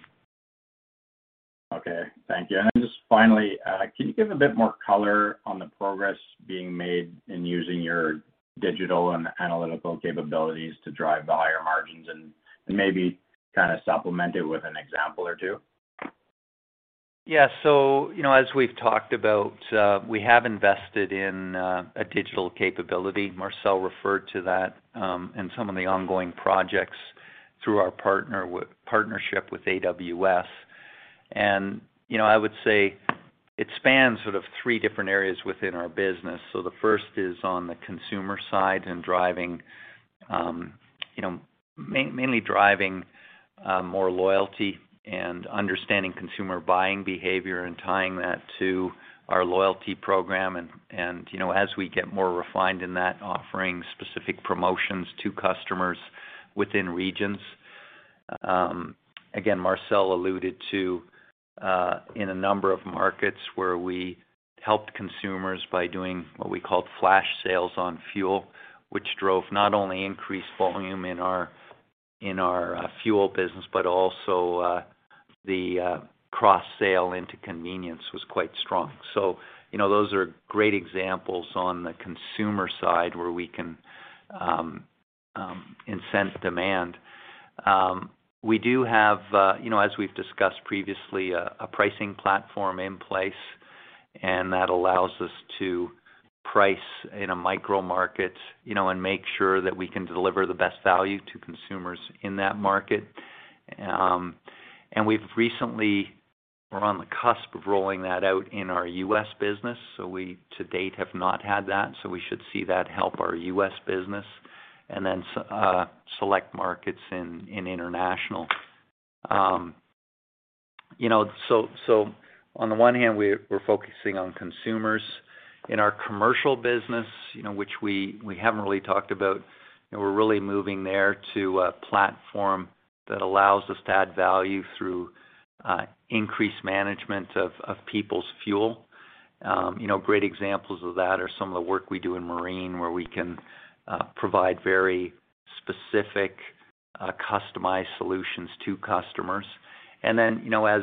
Thank you. Then just finally, can you give a bit more color on the progress being made in using your digital and analytical capabilities to drive the higher margins and maybe kinda supplement it with an example or two? Yeah. You know, as we've talked about, we have invested in a digital capability. Marcel referred to that, and some of the ongoing projects through our partnership with AWS. You know, I would say it spans sort of three different areas within our business. The first is on the consumer side and driving, you know, mainly driving more loyalty and understanding consumer buying behavior and tying that to our loyalty program. You know, as we get more refined in that, offering specific promotions to customers within regions. Again, Marcel alluded to in a number of markets where we helped consumers by doing what we called flash sales on fuel, which drove not only increased volume in our fuel business, but also the cross sale into convenience was quite strong. You know, those are great examples on the consumer side where we can incent demand. We do have you know, as we've discussed previously, a pricing platform in place, and that allows us to price in a micro market, you know, and make sure that we can deliver the best value to consumers in that market. We're on the cusp of rolling that out in our U.S. business. We to date have not had that, so we should see that help our U.S. business and then select markets in international. You know, so on the one hand, we're focusing on consumers. In our commercial business, you know, which we haven't really talked about, and we're really moving there to a platform that allows us to add value through increased management of people's fuel. You know, great examples of that are some of the work we do in marine, where we can provide very specific customized solutions to customers. Then, you know, as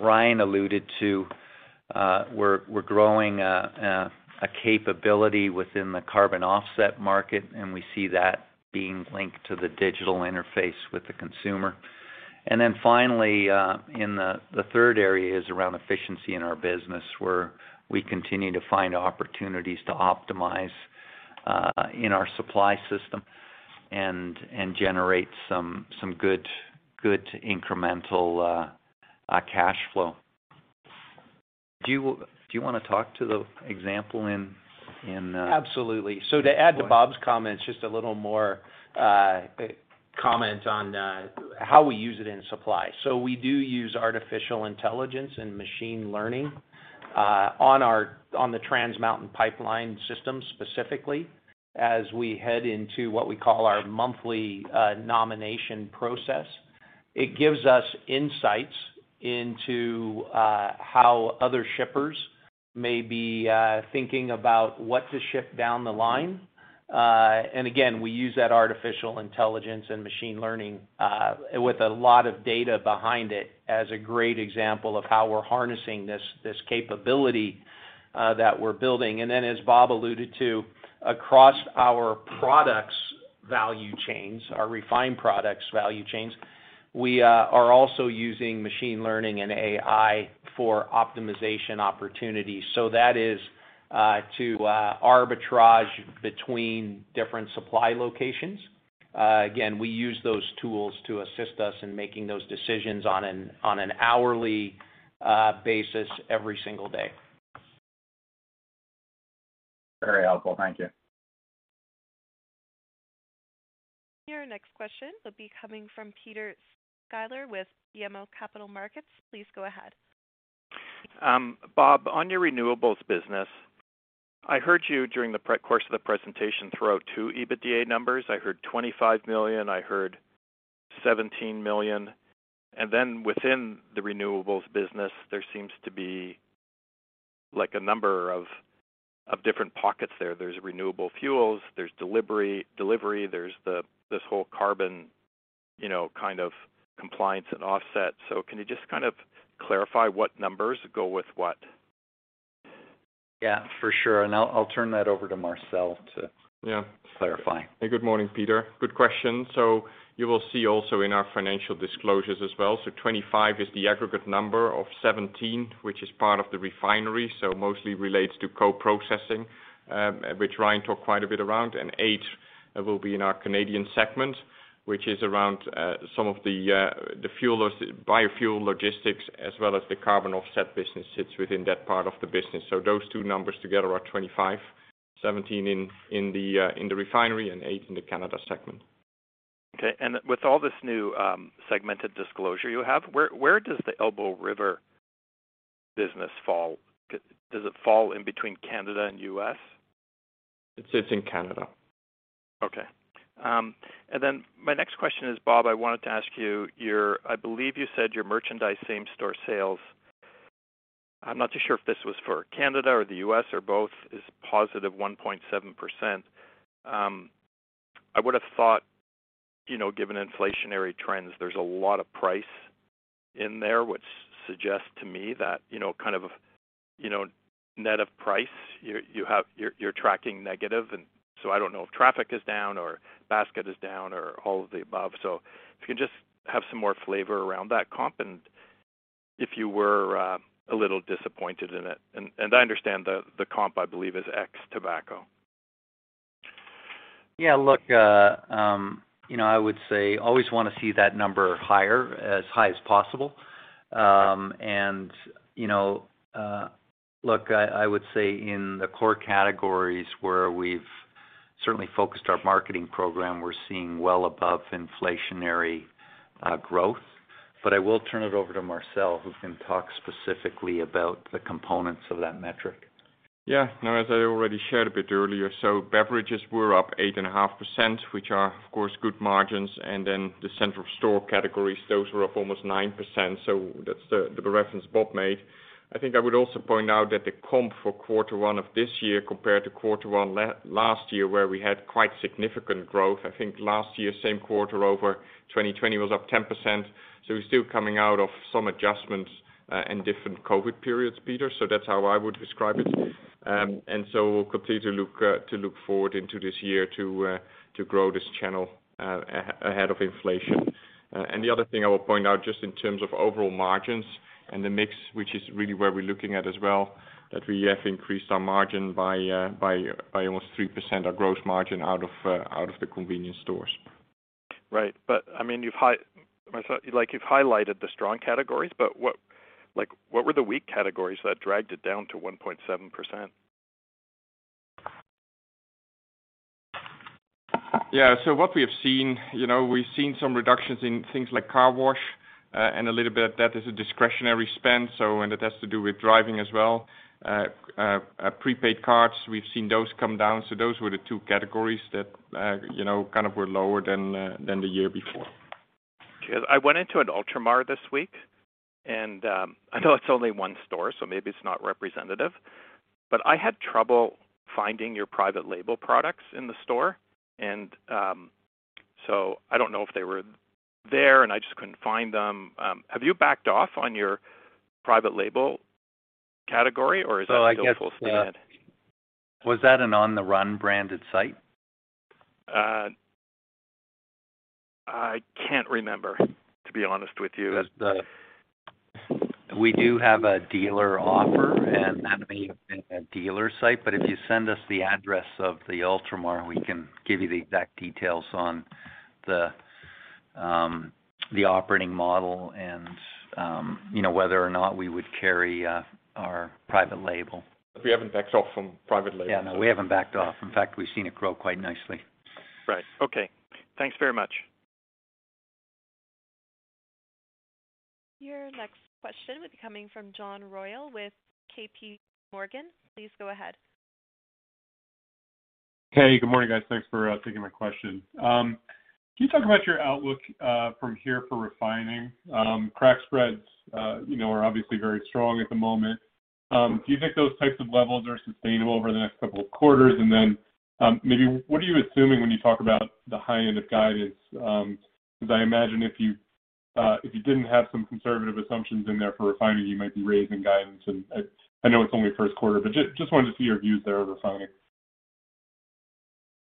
Ryan alluded to, we're growing a capability within the carbon offset market, and we see that being linked to the digital interface with the consumer. Then finally, in the third area is around efficiency in our business, where we continue to find opportunities to optimize in our supply system and generate some good incremental cash flow. Do you wanna talk to the example in Absolutely. To add to Bob's comments just a little more, comments on how we use it in supply. We do use artificial intelligence and machine learning on the Trans Mountain Pipeline system specifically as we head into what we call our monthly nomination process. It gives us insights into how other shippers may be thinking about what to ship down the line. Again, we use that artificial intelligence and machine learning with a lot of data behind it as a great example of how we're harnessing this capability that we're building. Then as Bob alluded to, across our products value chains, our refined products value chains, we are also using machine learning and AI for optimization opportunities. That is to arbitrage between different supply locations. Again, we use those tools to assist us in making those decisions on an hourly basis every single day. Very helpful. Thank you. Your next question will be coming from Peter Sklar with BMO Capital Markets. Please go ahead. Bob, on your renewables business, I heard you during the course of the presentation throw out two EBITDA numbers. I heard 25 million, I heard 17 million. Then within the renewables business, there seems to be like a number of different pockets there. There's renewable fuels, there's delivery, there's this whole carbon, you know, kind of compliance and offset. Can you just kind of clarify what numbers go with what? Yeah, for sure. I'll turn that over to Marcel to- Yeah. Clarify. Hey, good morning, Peter. Good question. You will see also in our financial disclosures as well. 25 is the aggregate number of 17, which is part of the refinery, so mostly relates to co-processing, which Ryan talked quite a bit around, and eight will be in our Canadian segment, which is around some of the fuel or biofuel logistics as well as the carbon offset business sits within that part of the business. Those two numbers together are 25, 17 in the refinery and eight in the Canadian segment. Okay. With all this new segmented disclosure you have, where does the Elbow River business fall? Does it fall in between Canada and U.S.? It sits in Canada. Okay. My next question is, Bob, I wanted to ask you, your—I believe you said your merchandise same-store sales, I'm not too sure if this was for Canada or the U.S. or both, is positive 1.7%. I would have thought, you know, given inflationary trends, there's a lot of price in there, which suggests to me that, you know, kind of, you know, net of price, you're tracking negative. I don't know if traffic is down or basket is down or all of the above. If you can just have some more flavor around that comp and if you were a little disappointed in it. I understand the comp, I believe is ex tobacco. Yeah, look, you know, I would say always wanna see that number higher, as high as possible. You know, look, I would say in the core categories where we've certainly focused our marketing program, we're seeing well above inflationary growth. I will turn it over to Marcel, who can talk specifically about the components of that metric. Yeah. No, as I already shared a bit earlier, beverages were up 8.5%, which are, of course, good margins. Then the center-of-store categories, those were up almost 9%. That's the reference Bob made. I think I would also point out that the comp for quarter one of this year compared to quarter one last year where we had quite significant growth. I think last year, same quarter over 2020 was up 10%. We're still coming out of some adjustments and different COVID periods, Peter. That's how I would describe it. We'll continue to look forward into this year to grow this channel ahead of inflation. The other thing I will point out, just in terms of overall margins and the mix, which is really where we're looking at as well, that we have increased our margin by almost 3% our gross margin out of the convenience stores. Right. I mean, you've highlighted the strong categories, but what were the weak categories that dragged it down to 1.7%? Yeah. What we have seen, you know, we've seen some reductions in things like car wash, and a little bit of that is a discretionary spend, and it has to do with driving as well. Prepaid cards, we've seen those come down. Those were the two categories that, you know, kind of were lower than the year before. I went into an Ultramar this week, and I know it's only one store, so maybe it's not representative, but I had trouble finding your private label products in the store. So I don't know if they were there, and I just couldn't find them. Have you backed off on your private label category or is it still full speed? I guess, was that an On the Run branded site? I can't remember, to be honest with you. We do have a dealer offer and that may have been a dealer site. If you send us the address of the Ultramar, we can give you the exact details on the operating model and, you know, whether or not we would carry our private label. We haven't backed off from private label. Yeah, no, we haven't backed off. In fact, we've seen it grow quite nicely. Right. Okay. Thanks very much. Your next question will be coming from John Royall with JPMorgan. Please go ahead. Hey, good morning, guys. Thanks for taking my question. Can you talk about your outlook from here for refining? Crack spread, you know, are obviously very strong at the moment. Do you think those types of levels are sustainable over the next couple of quarters? Then, maybe what are you assuming when you talk about the high end of guidance, 'cause I imagine if you didn't have some conservative assumptions in there for refining, you might be raising guidance. I know it's only first quarter, but just wanted to see your views there of refining.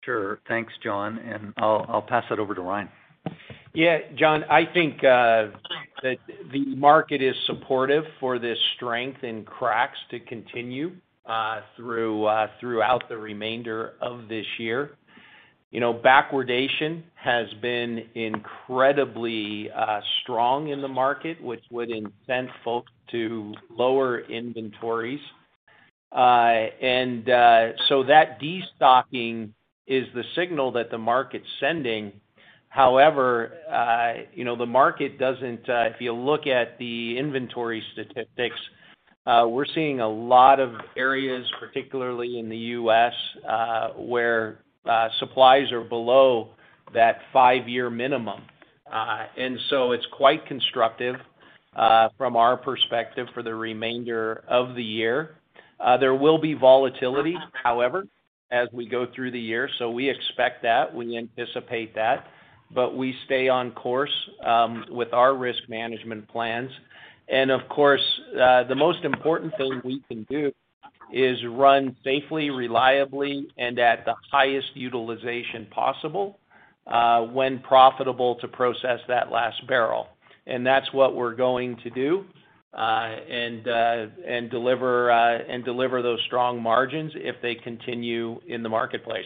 Sure. Thanks, John, and I'll pass it over to Ryan. Yeah, John, I think that the market is supportive for this strength in cracks to continue throughout the remainder of this year. You know, backwardation has been incredibly strong in the market, which would incent folks to lower inventories. That destocking is the signal that the market's sending. However, you know, if you look at the inventory statistics, we're seeing a lot of areas, particularly in the U.S., where supplies are below that five-year minimum. It's quite constructive from our perspective for the remainder of the year. There will be volatility, however, as we go through the year, so we expect that, we anticipate that. We stay on course with our risk management plans. Of course, the most important thing we can do is run safely, reliably, and at the highest utilization possible when profitable to process that last barrel. That's what we're going to do and deliver those strong margins if they continue in the marketplace.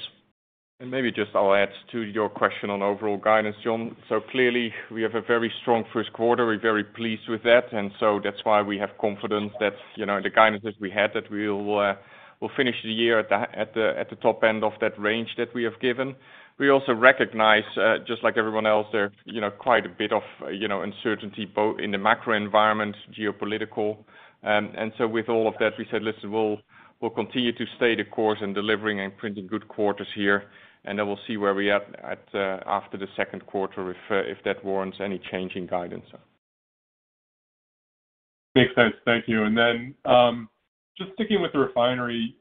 Maybe just I'll add to your question on overall guidance, John. Clearly, we have a very strong first quarter. We're very pleased with that, and that's why we have confidence that you know, the guidance that we had we will finish the year at the top end of that range that we have given. We also recognize just like everyone else, there you know, quite a bit of you know, uncertainty both in the macro environment, geopolitical. With all of that, we said, "Listen, we'll continue to stay the course in delivering and printing good quarters here, and then we'll see where we are at, after the second quarter if that warrants any change in guidance. Makes sense. Thank you. Just sticking with the refinery,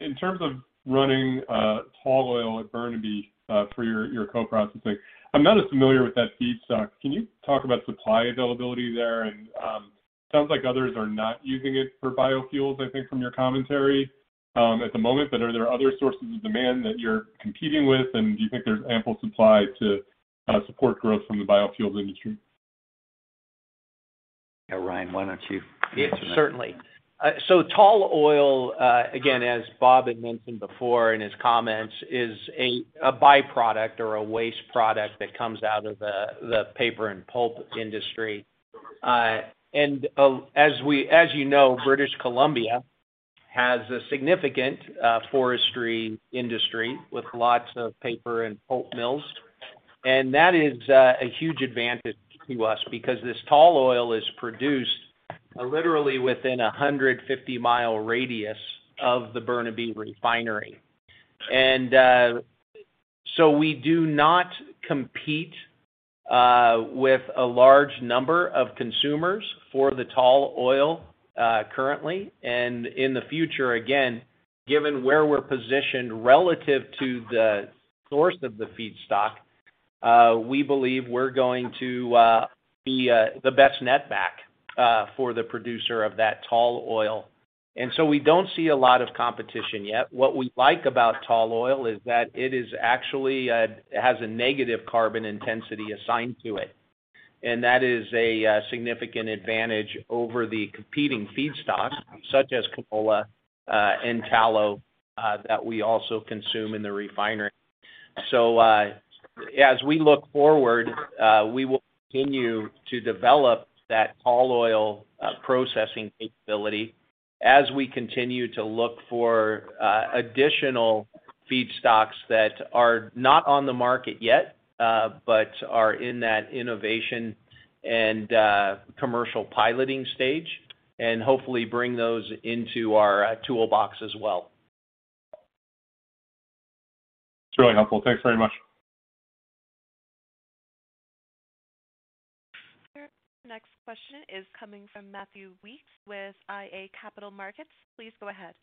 in terms of running tall oil at Burnaby for your co-processing, I'm not as familiar with that feedstock. Can you talk about supply availability there? Sounds like others are not using it for biofuels, I think from your commentary at the moment. Are there other sources of demand that you're competing with, and do you think there's ample supply to support growth from the biofuels industry? Yeah, Ryan, why don't you answer that? Yeah. Certainly. So tall oil, again, as Bob had mentioned before in his comments, is a byproduct or a waste product that comes out of the paper and pulp industry. As you know, British Columbia has a significant forestry industry with lots of paper and pulp mills. That is a huge advantage to us because this tall oil is produced literally within a 150-mile radius of the Burnaby Refinery. So we do not compete with a large number of consumers for the tall oil currently and in the future, again, given where we're positioned relative to the source of the feedstock. We believe we're going to be the best net back for the producer of that tall oil. So we don't see a lot of competition yet. What we like about tall oil is that it has a negative carbon intensity assigned to it, and that is a significant advantage over the competing feedstocks such as canola and tallow that we also consume in the refinery. As we look forward, we will continue to develop that tall oil processing capability as we continue to look for additional feedstocks that are not on the market yet but are in that innovation and commercial piloting stage, and hopefully bring those into our toolbox as well. It's really helpful. Thanks very much. Our next question is coming from Matthew Weekes with iA Capital Markets. Please go ahead.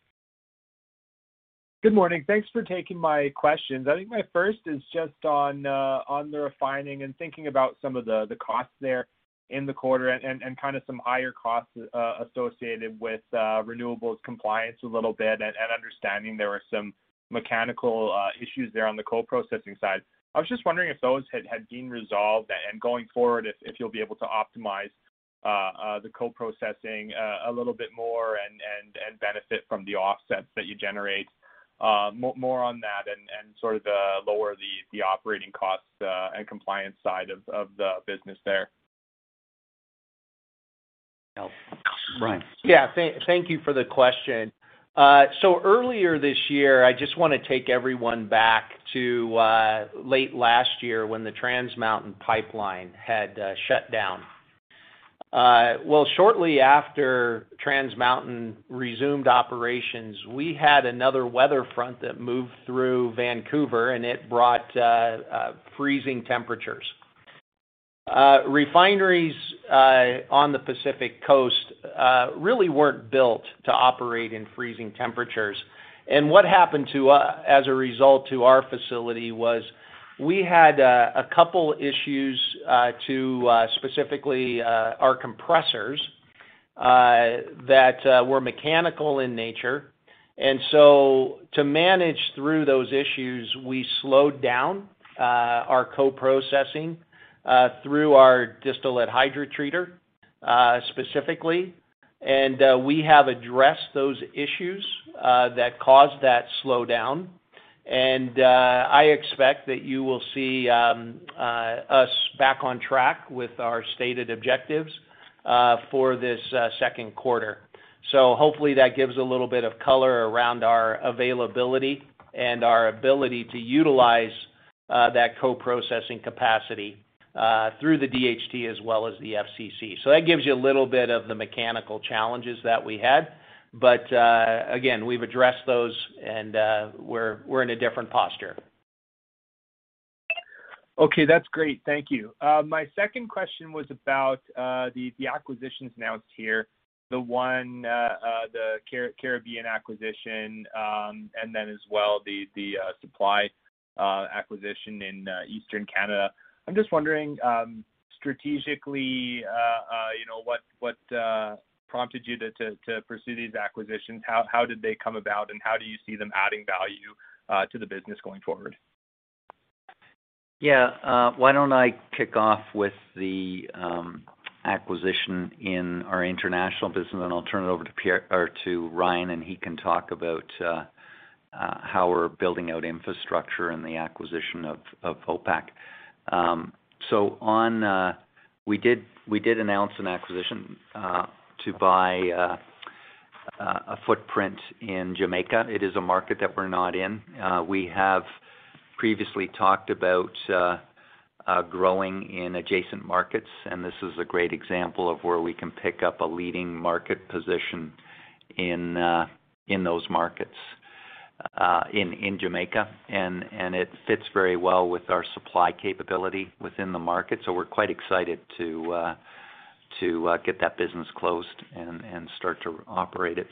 Good morning. Thanks for taking my questions. I think my first is just on the refining and thinking about some of the costs there in the quarter and kind of some higher costs associated with renewables compliance a little bit and understanding there were some mechanical issues there on the co-processing side. I was just wondering if those had been resolved and going forward, if you'll be able to optimize the co-processing a little bit more and benefit from the offsets that you generate. More on that and sort of lower the operating costs and compliance side of the business there. Yeah. Thank you for the question. So earlier this year, I just wanna take everyone back to late last year when the Trans Mountain Pipeline had shut down. Well, shortly after Trans Mountain resumed operations, we had another weather front that moved through Vancouver, and it brought freezing temperatures. Refineries on the Pacific Coast really weren't built to operate in freezing temperatures. What happened as a result to our facility was we had a couple issues, specifically our compressors that were mechanical in nature. To manage through those issues, we slowed down our co-processing through our distillate hydrotreater specifically. We have addressed those issues that caused that slowdown. I expect that you will see us back on track with our stated objectives for this second quarter. Hopefully that gives a little bit of color around our availability and our ability to utilize that co-processing capacity through the DHT as well as the FCC. That gives you a little bit of the mechanical challenges that we had. Again, we've addressed those and we're in a different posture. Okay. That's great. Thank you. My second question was about the acquisitions announced here, the one, the Caribbean acquisition, and then as well the supply acquisition in Eastern Canada. I'm just wondering, strategically, you know, what prompted you to pursue these acquisitions? How did they come about, and how do you see them adding value to the business going forward? Why don't I kick off with the acquisition in our international business, and then I'll turn it over to Ryan, and he can talk about how we're building out infrastructure and the acquisition of OPAC. We did announce an acquisition to buy a footprint in Jamaica. It is a market that we're not in. We have previously talked about growing in adjacent markets, and this is a great example of where we can pick up a leading market position in those markets in Jamaica. It fits very well with our supply capability within the market. We're quite excited to get that business closed and start to operate it.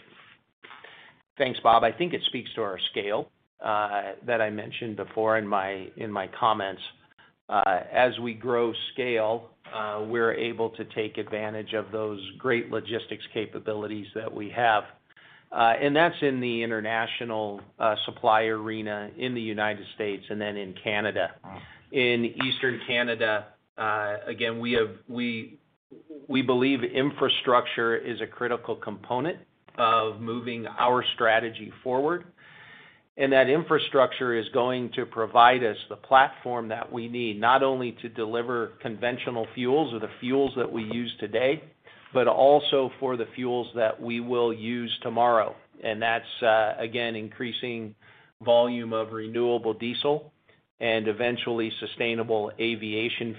Thanks, Bob. I think it speaks to our scale that I mentioned before in my comments. As we grow scale, we're able to take advantage of those great logistics capabilities that we have. That's in the international supply arena in the United States and then in Canada. In Eastern Canada, again, we believe infrastructure is a critical component of moving our strategy forward. That infrastructure is going to provide us the platform that we need, not only to deliver conventional fuels or the fuels that we use today, but also for the fuels that we will use tomorrow. That's again increasing volume of renewable diesel and eventually sustainable aviation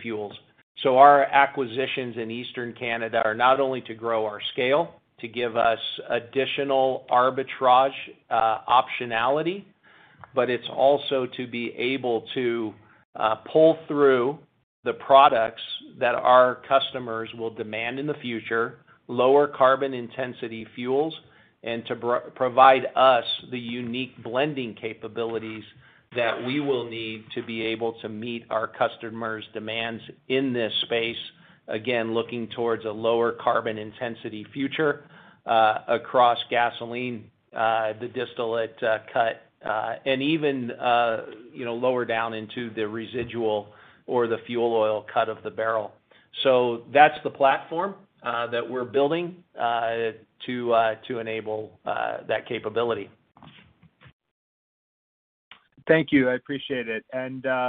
fuel. Our acquisitions in Eastern Canada are not only to grow our scale, to give us additional arbitrage, optionality. But it's also to be able to pull through the products that our customers will demand in the future, lower carbon intensity fuels, and to provide us the unique blending capabilities that we will need to be able to meet our customers' demands in this space, again, looking towards a lower carbon intensity future, across gasoline, the distillate cut, and even you know lower down into the residual or the fuel oil cut of the barrel. That's the platform that we're building to enable that capability. Thank you. I appreciate it.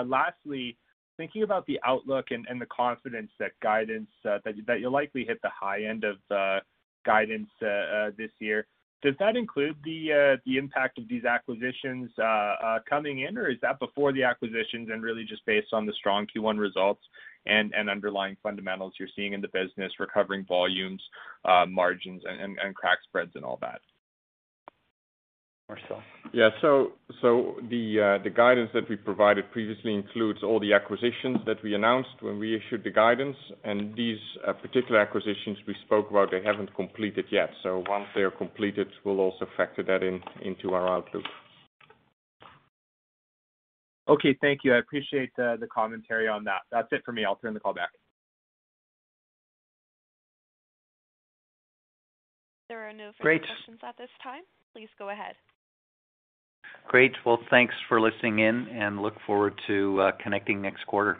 Lastly, thinking about the outlook and the confidence that guidance that you'll likely hit the high end of guidance this year. Does that include the impact of these acquisitions coming in, or is that before the acquisitions and really just based on the strong Q1 results and underlying fundamentals you're seeing in the business, recovering volumes, margins and crack spread and all that? Marcel. The guidance that we provided previously includes all the acquisitions that we announced when we issued the guidance. These particular acquisitions we spoke about, they haven't completed yet. Once they are completed, we'll also factor that in, into our outlook. Okay. Thank you. I appreciate the commentary on that. That's it for me. I'll turn the call back. There are no further questions at this time. Please go ahead. Great. Well, thanks for listening in, and look forward to connecting next quarter.